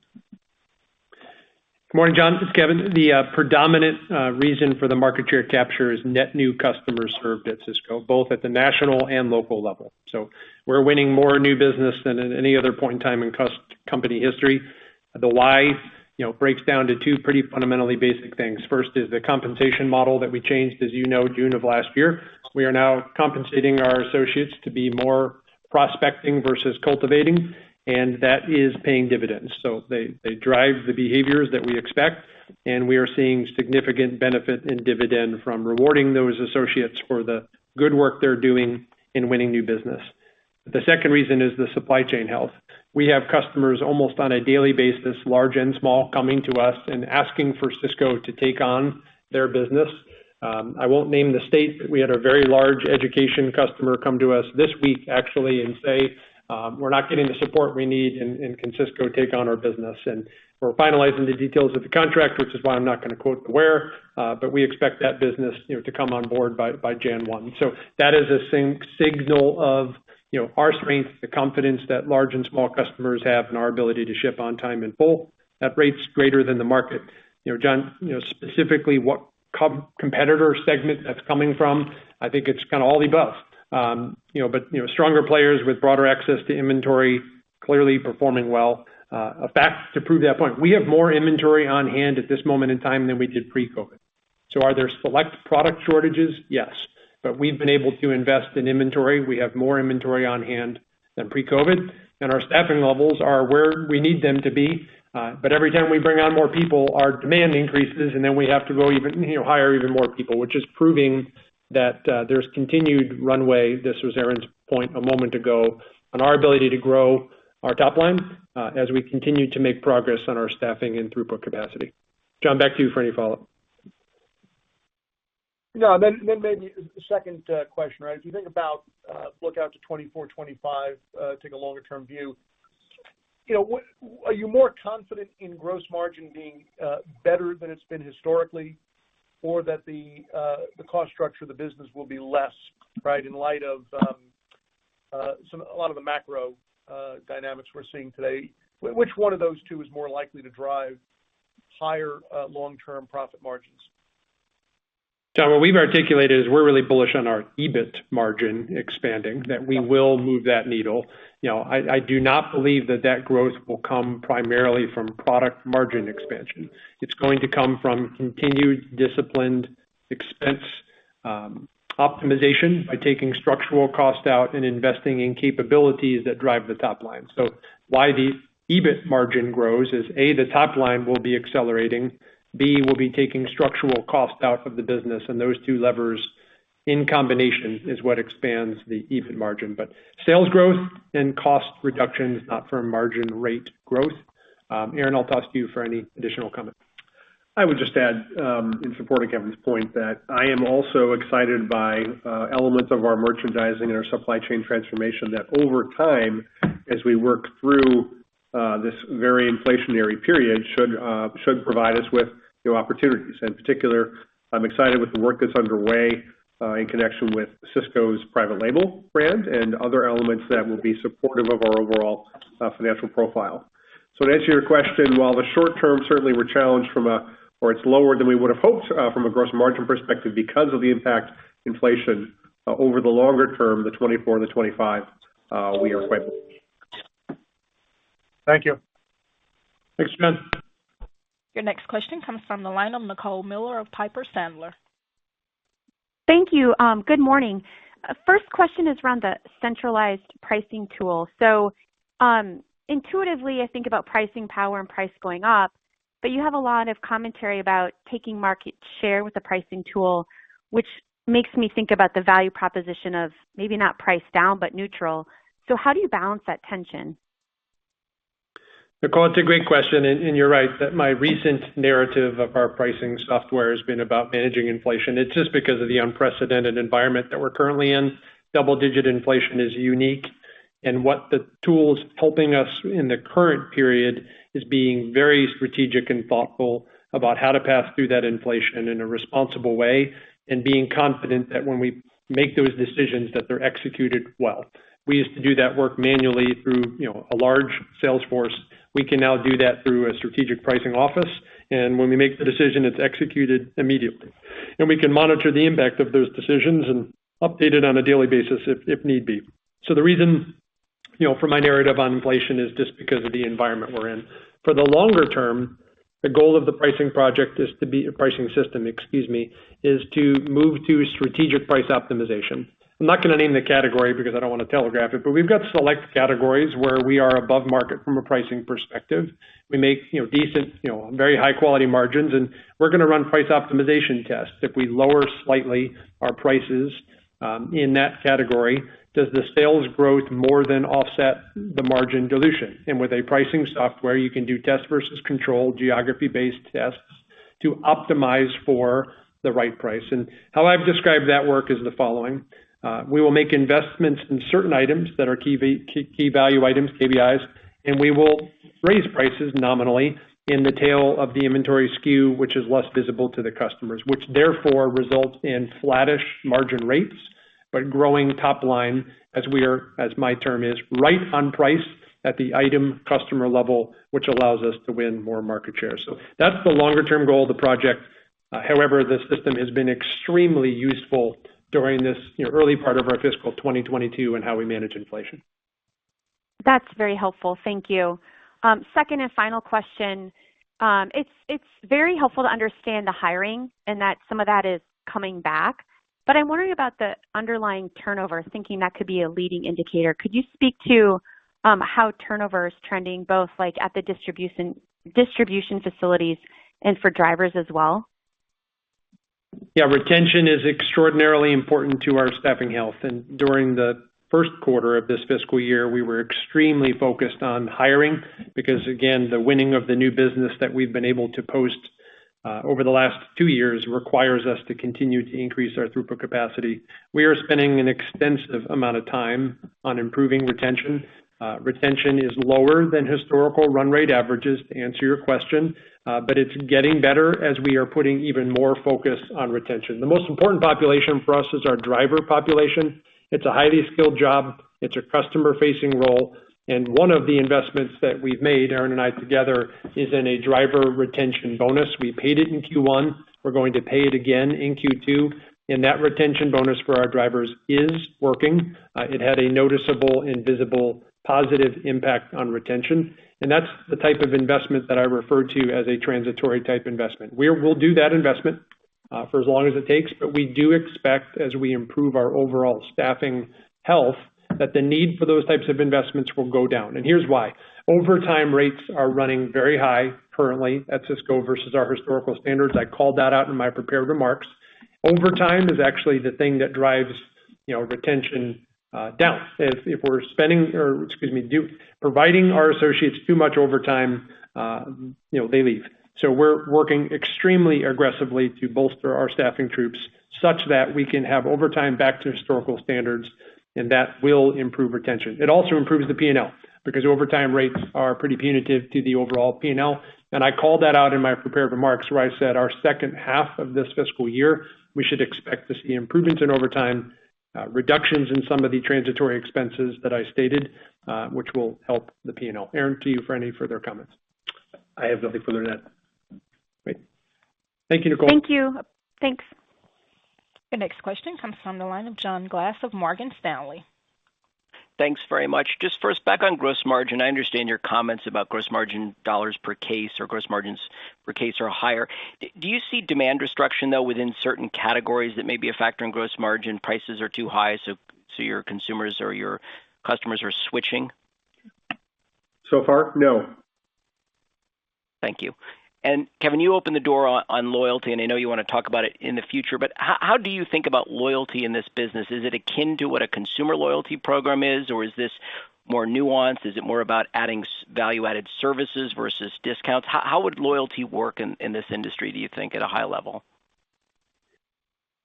Good morning, John. It's Kevin. The predominant reason for the market share capture is net new customers served at Sysco, both at the national and local level. We're winning more new business than at any other point in time in company history. The why, you know, breaks down to two pretty fundamentally basic things. First is the compensation model that we changed, as you know, June of last year. We are now compensating our associates to be more prospecting versus cultivating, and that is paying dividends. They drive the behaviors that we expect, and we are seeing significant benefits and dividends from rewarding those associates for the good work they're doing in winning new business. The second reason is the supply chain health. We have customers almost on a daily basis, large and small, coming to us and asking for Sysco to take on their business. I won't name the state. We had a very large education customer come to us this week actually and say, "We're not getting the support we need. Can Sysco take on our business?" We're finalizing the details of the contract, which is why I'm not gonna quote where, but we expect that business, you know, to come on board by January 1. That is a signal of, you know, our strength, the confidence that large and small customers have in our ability to ship on time in full at rates greater than the market. You know, John, you know, specifically what competitor segment that's coming from, I think it's kind of all the above. You know, stronger players with broader access to inventory clearly performing well. A fact to prove that point, we have more inventory on hand at this moment in time than we did pre-COVID. Are there select product shortages? Yes. We've been able to invest in inventory. We have more inventory on hand than pre-COVID, and our staffing levels are where we need them to be. Every time we bring on more people, our demand increases, and then we have to go even, you know, hire even more people, which is proving that, there's continued runway. This was Aaron's point a moment ago on our ability to grow our top line, as we continue to make progress on our staffing and throughput capacity. John, back to you for any follow-up. No. Maybe a second question. Right. If you think about look out to 2024, 2025, take a longer term view. You know, what are you more confident in gross margin being better than it's been historically or that the cost structure of the business will be less, right? In light of a lot of the macro dynamics we're seeing today. Which one of those two is more likely to drive higher long term profit margins? John, what we've articulated is we're really bullish on our EBIT margin expanding, that we will move that needle. You know, I do not believe that growth will come primarily from product margin expansion. It's going to come from continued disciplined expense optimization by taking structural cost out and investing in capabilities that drive the top line. Why the EBIT margin grows is A, the top line will be accelerating. B, we'll be taking structural cost out of the business, and those two levers in combination is what expands the EBIT margin. Sales growth and cost reduction is not for margin rate growth. Aaron Alt, I'll toss to you for any additional comments. I would just add in support of Kevin's point that I am also excited by elements of our merchandising and our supply chain transformation that over time, as we work through this very inflationary period should provide us with new opportunities. In particular, I'm excited with the work that's underway in connection with Sysco's private label brand and other elements that will be supportive of our overall financial profile. To answer your question, while the short term certainly we're challenged or it's lower than we would have hoped from a gross margin perspective because of the impact of inflation over the longer term, the 2024-2025 we are quite bullish. Thank you. Thanks, John. Your next question comes from the line of Nicole Miller of Piper Sandler. Thank you. Good morning. First question is around the centralized pricing tool. Intuitively, I think about pricing power and price going up, but you have a lot of commentary about taking market share with the pricing tool, which makes me think about the value proposition of maybe not price down, but neutral. How do you balance that tension? Nicole, it's a great question, and you're right that my recent narrative of our pricing software has been about managing inflation. It's just because of the unprecedented environment that we're currently in. Double-digit inflation is unique, and what the tool is helping us in the current period is being very strategic and thoughtful about how to pass through that inflation in a responsible way and being confident that when we make those decisions that they're executed well. We used to do that work manually through, you know, a large sales force. We can now do that through a strategic pricing office, and when we make the decision, it's executed immediately. We can monitor the impact of those decisions and update it on a daily basis if need be. The reason, you know, for my narrative on inflation is just because of the environment we're in. For the longer term, the goal of the pricing project is a pricing system, excuse me, is to move to strategic price optimization. I'm not gonna name the category because I don't wanna telegraph it, but we've got select categories where we are above market from a pricing perspective. We make decent, you know, very high-quality margins, and we're gonna run price optimization tests. If we lower slightly our prices in that category, does the sales growth more than offset the margin dilution? With a pricing software you can do test versus control, geography-based tests to optimize for the right price. How I've described that work is the following. We will make investments in certain items that are key value items, KVIs, and we will raise prices nominally in the tail of the inventory SKU, which is less visible to the customers, which therefore results in flattish margin rates, but growing top line as we are, as my term is, right on price at the item customer level, which allows us to win more market share. That's the longer term goal of the project. However, the system has been extremely useful during this, you know, early part of our fiscal 2022 and how we manage inflation. That's very helpful. Thank you. Second and final question. It's very helpful to understand the hiring and that some of that is coming back, but I'm wondering about the underlying turnover, thinking that could be a leading indicator. Could you speak to how turnover is trending, both, like, at the distribution facilities and for drivers as well? Yeah, retention is extraordinarily important to our staffing health. During the first quarter of this fiscal year, we were extremely focused on hiring because, again, the winning of the new business that we've been able to post over the last two years requires us to continue to increase our throughput capacity. We are spending an extensive amount of time on improving retention. Retention is lower than historical run rate averages, to answer your question, but it's getting better as we are putting even more focus on retention. The most important population for us is our driver population. It's a highly skilled job. It's a customer-facing role. One of the investments that we've made, Aaron Alt and I together, is in a driver retention bonus. We paid it in Q1. We're going to pay it again in Q2. That retention bonus for our drivers is working. It had a noticeable and visible positive impact on retention. That's the type of investment that I refer to as a transitory type investment, where we'll do that investment for as long as it takes. We do expect as we improve our overall staffing health, that the need for those types of investments will go down. Here's why. Overtime rates are running very high currently at Sysco versus our historical standards. I called that out in my prepared remarks. Overtime is actually the thing that drives, you know, retention down. If we're providing our associates too much overtime, you know, they leave. We're working extremely aggressively to bolster our staffing troops such that we can have overtime back to historical standards, and that will improve retention. It also improves the P&L, because overtime rates are pretty punitive to the overall P&L. I called that out in my prepared remarks where I said our second half of this fiscal year, we should expect to see improvements in overtime, reductions in some of the transitory expenses that I stated, which will help the P&L. Aaron Alt, to you for any further comments. I have nothing further than that. Great. Thank you, Nicole. Thank you. Thanks. Your next question comes from the line of John Glass of Morgan Stanley. Thanks very much. Just first, back on gross margin. I understand your comments about gross margin dollars per case or gross margins per case are higher. Do you see demand destruction, though, within certain categories that may be a factor in gross margin, prices are too high, so your consumers or your customers are switching? So far, no. Thank you. Kevin, you opened the door on loyalty, and I know you wanna talk about it in the future, but how do you think about loyalty in this business? Is it akin to what a consumer loyalty program is, or is this more nuanced? Is it more about adding value-added services versus discounts? How would loyalty work in this industry, do you think, at a high level?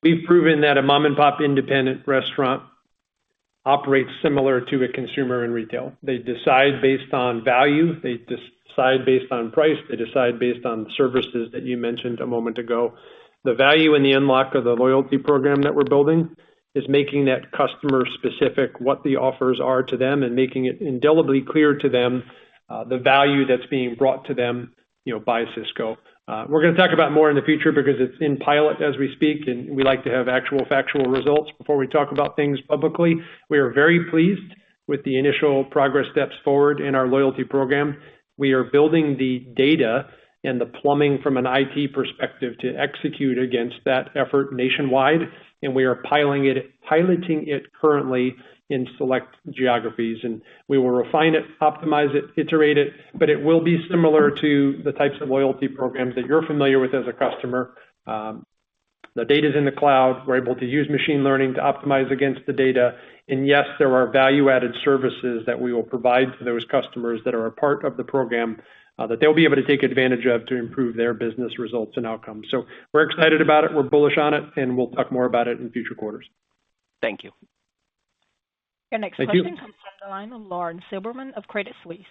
We've proven that a mom-and-pop independent restaurant operates similar to a consumer in retail. They decide based on value, they decide based on price, they decide based on services that you mentioned a moment ago. The value in the unlock of the loyalty program that we're building is making that customer specific, what the offers are to them, and making it indelibly clear to them, the value that's being brought to them, you know, by Sysco. We're gonna talk about it more in the future because it's in pilot as we speak, and we like to have actual factual results before we talk about things publicly. We are very pleased with the initial progress steps forward in our loyalty program. We are building the data and the plumbing from an IT perspective to execute against that effort nationwide, and we are piloting it currently in select geographies. We will refine it, optimize it, iterate it, but it will be similar to the types of loyalty programs that you're familiar with as a customer. The data's in the cloud. We're able to use machine learning to optimize against the data. Yes, there are value-added services that we will provide to those customers that are a part of the program, that they'll be able to take advantage of to improve their business results and outcomes. We're excited about it, we're bullish on it, and we'll talk more about it in future quarters. Thank you. Your next question- Thank you. - comes from the line of Lauren Silberman of Credit Suisse.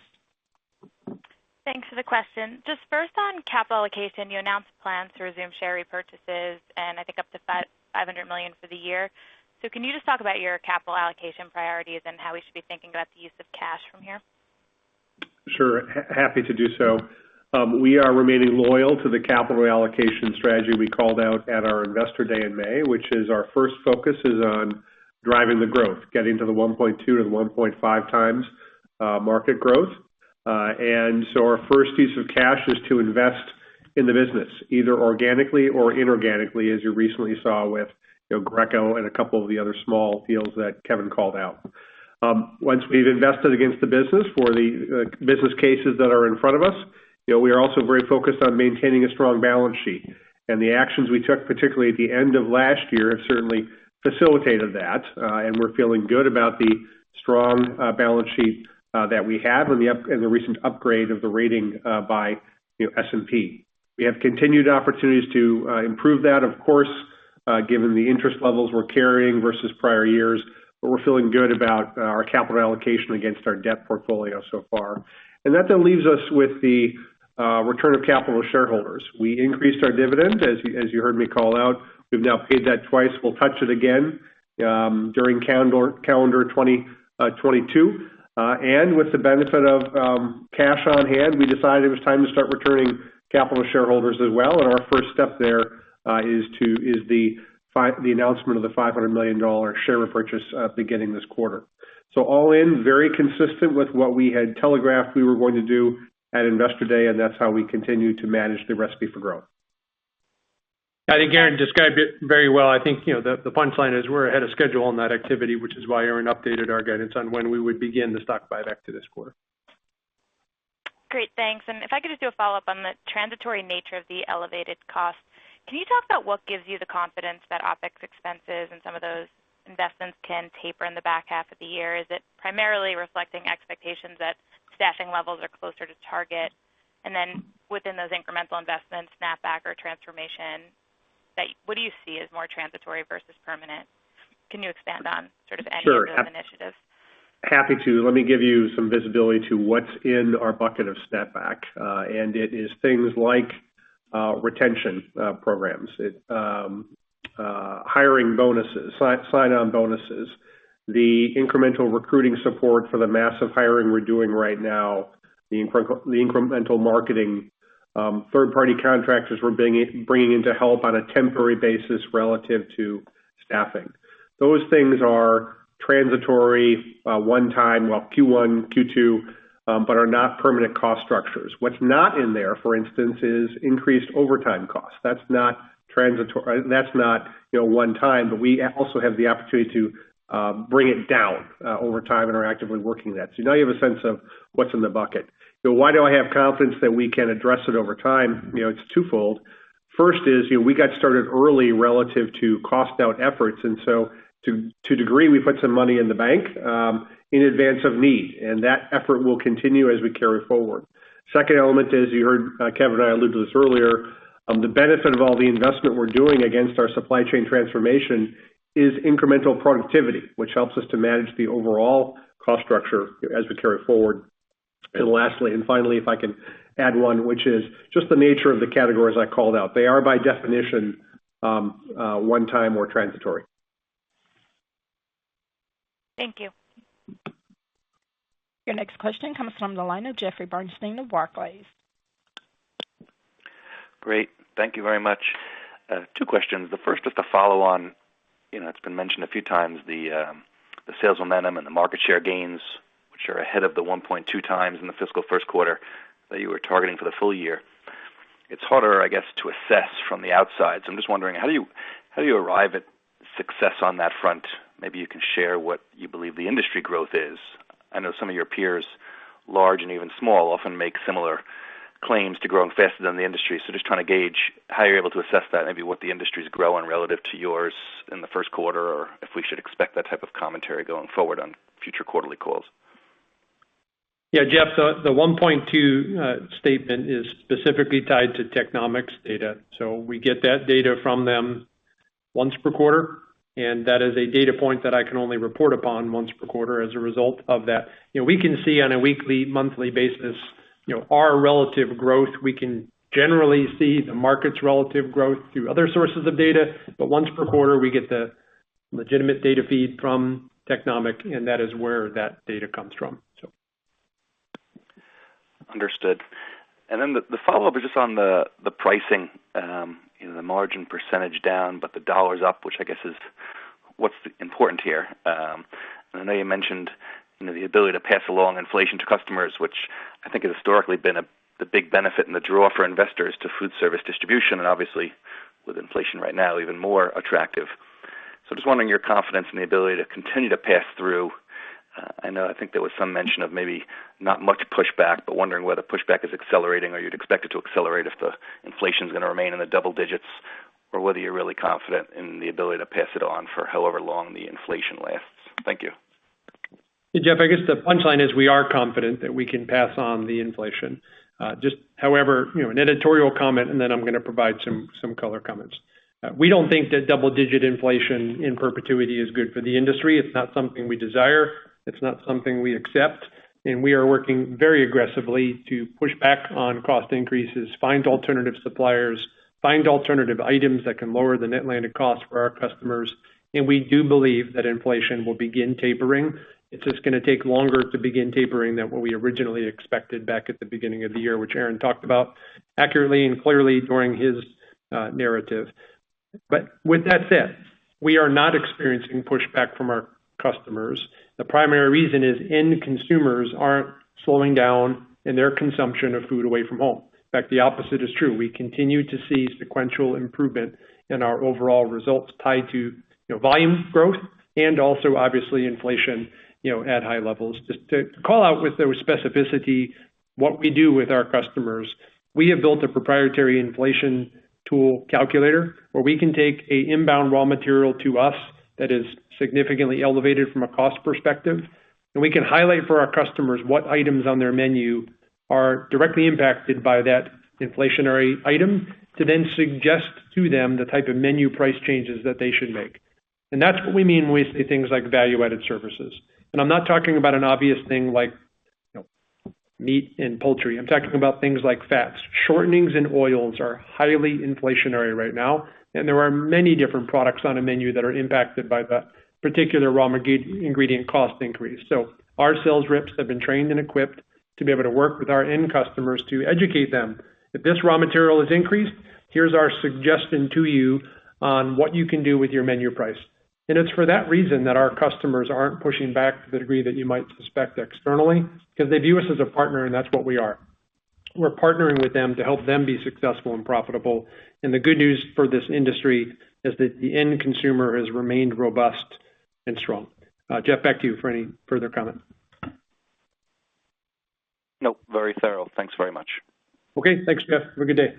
Thanks for the question. Just first on capital allocation, you announced plans to resume share repurchases and I think up to $500 million for the year. Can you just talk about your capital allocation priorities and how we should be thinking about the use of cash from here? Sure. Happy to do so. We are remaining loyal to the capital allocation strategy we called out at our Investor Day in May, which is our first focus is on driving the growth, getting to the 1.2-1.5 times market growth. Our first piece of cash is to invest in the business, either organically or inorganically, as you recently saw with, you know, Greco and a couple of the other small deals that Kevin called out. Once we've invested against the business for the business cases that are in front of us, you know, we are also very focused on maintaining a strong balance sheet. The actions we took, particularly at the end of last year, have certainly facilitated that, and we're feeling good about the strong balance sheet that we have and the recent upgrade of the rating by, you know, S&P. We have continued opportunities to improve that, of course, given the interest levels we're carrying versus prior years, but we're feeling good about our capital allocation against our debt portfolio so far. That then leaves us with the return of capital to shareholders. We increased our dividend, as you heard me call out. We've now paid that twice. We'll touch it again during calendar 2022. With the benefit of cash on hand, we decided it was time to start returning capital to shareholders as well, and our first step there is the announcement of the $500 million share repurchase at the beginning of this quarter. All in, very consistent with what we had telegraphed we were going to do at Investor Day, and that's how we continue to manage the Recipe for Growth. I think Aaron described it very well. I think, you know, the punchline is we're ahead of schedule on that activity, which is why Aaron updated our guidance on when we would begin the stock buyback to this quarter. Great. Thanks. If I could just do a follow-up on the transitory nature of the elevated cost. Can you talk about what gives you the confidence that OpEx expenses and some of those investments can taper in the back half of the year? Is it primarily reflecting expectations that staffing levels are closer to target? Within those incremental investments, snapback or transformation, what do you see as more transitory versus permanent? Can you expand on sort of any of those initiatives? Sure. Happy to. Let me give you some visibility to what's in our bucket of snapback. It is things like retention programs. Hiring bonuses, sign-on bonuses, the incremental recruiting support for the massive hiring we're doing right now, the incremental marketing. Third-party contractors we're bringing in to help on a temporary basis relative to staffing. Those things are transitory, one time, well, Q1, Q2, but are not permanent cost structures. What's not in there, for instance, is increased overtime costs. That's not transitory. That's not, you know, one time, but we also have the opportunity to bring it down over time and are actively working that. Now you have a sense of what's in the bucket. Why do I have confidence that we can address it over time? You know, it's twofold. First is, you know, we got started early relative to cost out efforts, and so to a degree, we put some money in the bank in advance of need, and that effort will continue as we carry forward. Second element is, you heard, Kevin and I allude to this earlier, the benefit of all the investment we're doing against our supply chain transformation is incremental productivity, which helps us to manage the overall cost structure as we carry forward. Lastly, and finally, if I can add one, which is just the nature of the categories I called out. They are by definition, one time or transitory. Thank you. Your next question comes from the line of Jeffrey Bernstein of Barclays. Great. Thank you very much. Two questions. The first is to follow on, you know, it's been mentioned a few times the sales momentum and the market share gains, which are ahead of the 1.2 times in the fiscal first quarter that you were targeting for the full year. It's harder, I guess, to assess from the outside. So I'm just wondering, how do you, how do you arrive at success on that front? Maybe you can share what you believe the industry growth is. I know some of your peers, large and even small, often make similar claims to growing faster than the industry. So just trying to gauge how you're able to assess that, maybe what the industry is growing relative to yours in the first quarter, or if we should expect that type of commentary going forward on future quarterly calls. Yeah, Jeff, the 1.2 statement is specifically tied to Technomic's data. We get that data from them once per quarter, and that is a data point that I can only report upon once per quarter as a result of that. You know, we can see on a weekly, monthly basis, you know, our relative growth. We can generally see the market's relative growth through other sources of data. But once per quarter, we get the legitimate data feed from Technomic, and that is where that data comes from, so. Understood. The follow-up is just on the pricing, you know, the margin percentage down, but the dollar's up, which I guess is what's important here. I know you mentioned, you know, the ability to pass along inflation to customers, which I think has historically been a, the big benefit and the draw for investors to food service distribution and obviously with inflation right now, even more attractive. Just wondering your confidence in the ability to continue to pass through. I know I think there was some mention of maybe not much pushback, but wondering whether pushback is accelerating or you'd expect it to accelerate if the inflation is gonna remain in the double digits or whether you're really confident in the ability to pass it on for however long the inflation lasts. Thank you. Jeff, I guess the punchline is we are confident that we can pass on the inflation. Just however, you know, an editorial comment, and then I'm gonna provide some color comments. We don't think that double-digit inflation in perpetuity is good for the industry. It's not something we desire, it's not something we accept, and we are working very aggressively to push back on cost increases, find alternative suppliers, find alternative items that can lower the net landed cost for our customers. We do believe that inflation will begin tapering. It's just gonna take longer to begin tapering than what we originally expected back at the beginning of the year, which Aaron talked about accurately and clearly during his narrative. With that said, we are not experiencing pushback from our customers. The primary reason is end consumers aren't slowing down in their consumption of food away from home. In fact, the opposite is true. We continue to see sequential improvement in our overall results tied to, you know, volume growth and also obviously inflation, you know, at high levels. Just to call out with the specificity what we do with our customers, we have built a proprietary inflation tool calculator where we can take a inbound raw material to us that is significantly elevated from a cost perspective, and we can highlight for our customers what items on their menu are directly impacted by that inflationary item to then suggest to them the type of menu price changes that they should make. That's what we mean when we say things like value-added services. I'm not talking about an obvious thing like, you know, meat and poultry. I'm talking about things like fats. Shortenings and oils are highly inflationary right now, and there are many different products on a menu that are impacted by the particular raw material ingredient cost increase. Our sales reps have been trained and equipped to be able to work with our end customers to educate them. If this raw material is increased, here's our suggestion to you on what you can do with your menu price. It's for that reason that our customers aren't pushing back to the degree that you might suspect externally because they view us as a partner, and that's what we are. We're partnering with them to help them be successful and profitable. The good news for this industry is that the end consumer has remained robust and strong. Jeff, back to you for any further comment. Nope. Very thorough. Thanks very much. Okay. Thanks, Jeff. Have a good day.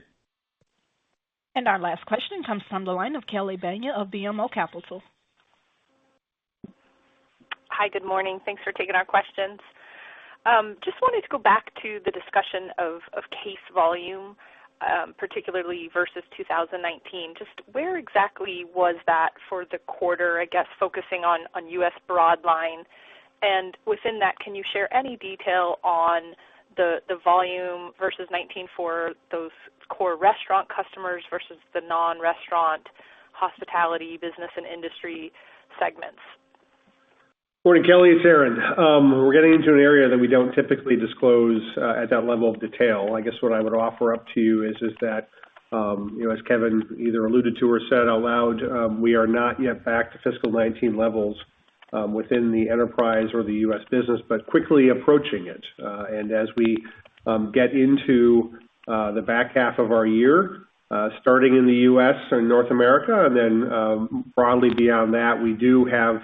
Our last question comes from the line of Kelly Bania of BMO Capital. Hi. Good morning. Thanks for taking our questions. Just wanted to go back to the discussion of case volume, particularly versus 2019. Just where exactly was that for the quarter, I guess, focusing on U.S. Broadline? And within that, can you share any detail on the volume versus 2019 for those core restaurant customers versus the non-restaurant Hospitality, Business, and Industry segments? Morning, Kelly Bania, it's Aaron Alt. We're getting into an area that we don't typically disclose at that level of detail. I guess what I would offer up to you is that you know, as Kevin Hourican either alluded to or said out loud, we are not yet back to fiscal 2019 levels within the enterprise or the U.S. business, but quickly approaching it. As we get into the back half of our year, starting in the U.S. or North America, and then broadly beyond that, we do have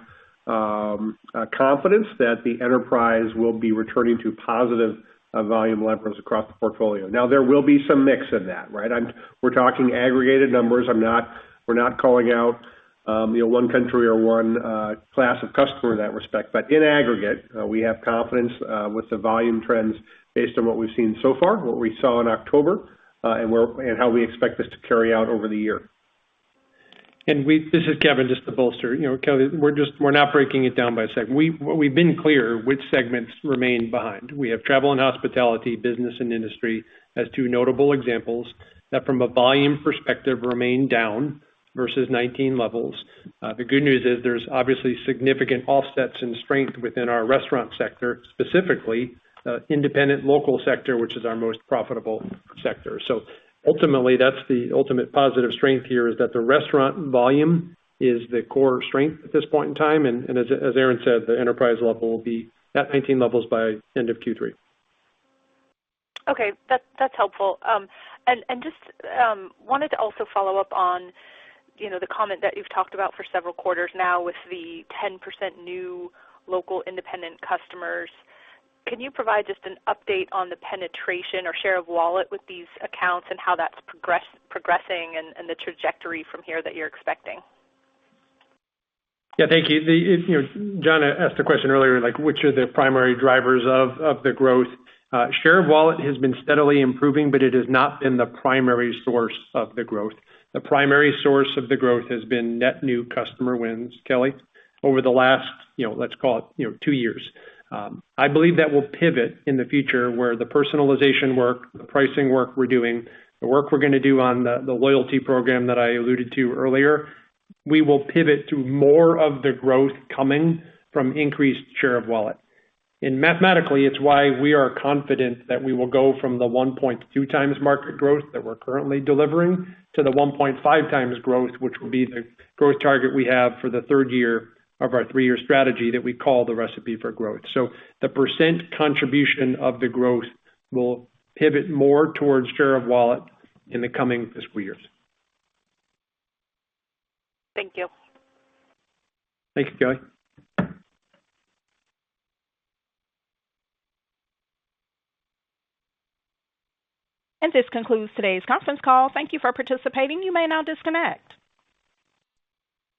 confidence that the enterprise will be returning to positive volume levers across the portfolio. Now, there will be some mix in that, right? We're talking aggregated numbers. We're not calling out you know, one country or one class of customer in that respect. In aggregate, we have confidence with the volume trends based on what we've seen so far, what we saw in October, and how we expect this to carry out over the year. This is Kevin, just to bolster. You know, Kelly, we're not breaking it down by a segment. We've been clear which segments remain behind. We have Travel and Hospitality, Business and Industry as two notable examples that from a volume perspective remain down versus 2019 levels. The good news is there's obviously significant offsets in strength within our restaurant sector, specifically, independent local sector, which is our most profitable sector. So ultimately, that's the ultimate positive strength here, is that the restaurant volume is the core strength at this point in time. As Aaron said, the enterprise level will be at 2019 levels by end of Q3. Okay. That's helpful. Just wanted to also follow up on, you know, the comment that you've talked about for several quarters now with the 10% new local independent customers. Can you provide just an update on the penetration or share of wallet with these accounts and how that's progressing and the trajectory from here that you're expecting? Yeah, thank you. John asked a question earlier, which are the primary drivers of the growth. Share of wallet has been steadily improving, but it has not been the primary source of the growth. The primary source of the growth has been net new customer wins, Kelly, over the last, let's call it, two years. I believe that will pivot in the future where the personalization work, the pricing work we're doing, the work we're gonna do on the loyalty program that I alluded to earlier, we will pivot to more of the growth coming from increased share of wallet. Mathematically, it's why we are confident that we will go from the 1.2 times market growth that we're currently delivering to the 1.5 times growth, which will be the growth target we have for the third year of our three-year strategy that we call the Recipe for Growth. The percent contribution of the growth will pivot more towards share of wallet in the coming fiscal years. Thank you. Thanks, Kelly. This concludes today's conference call. Thank you for participating. You may now disconnect.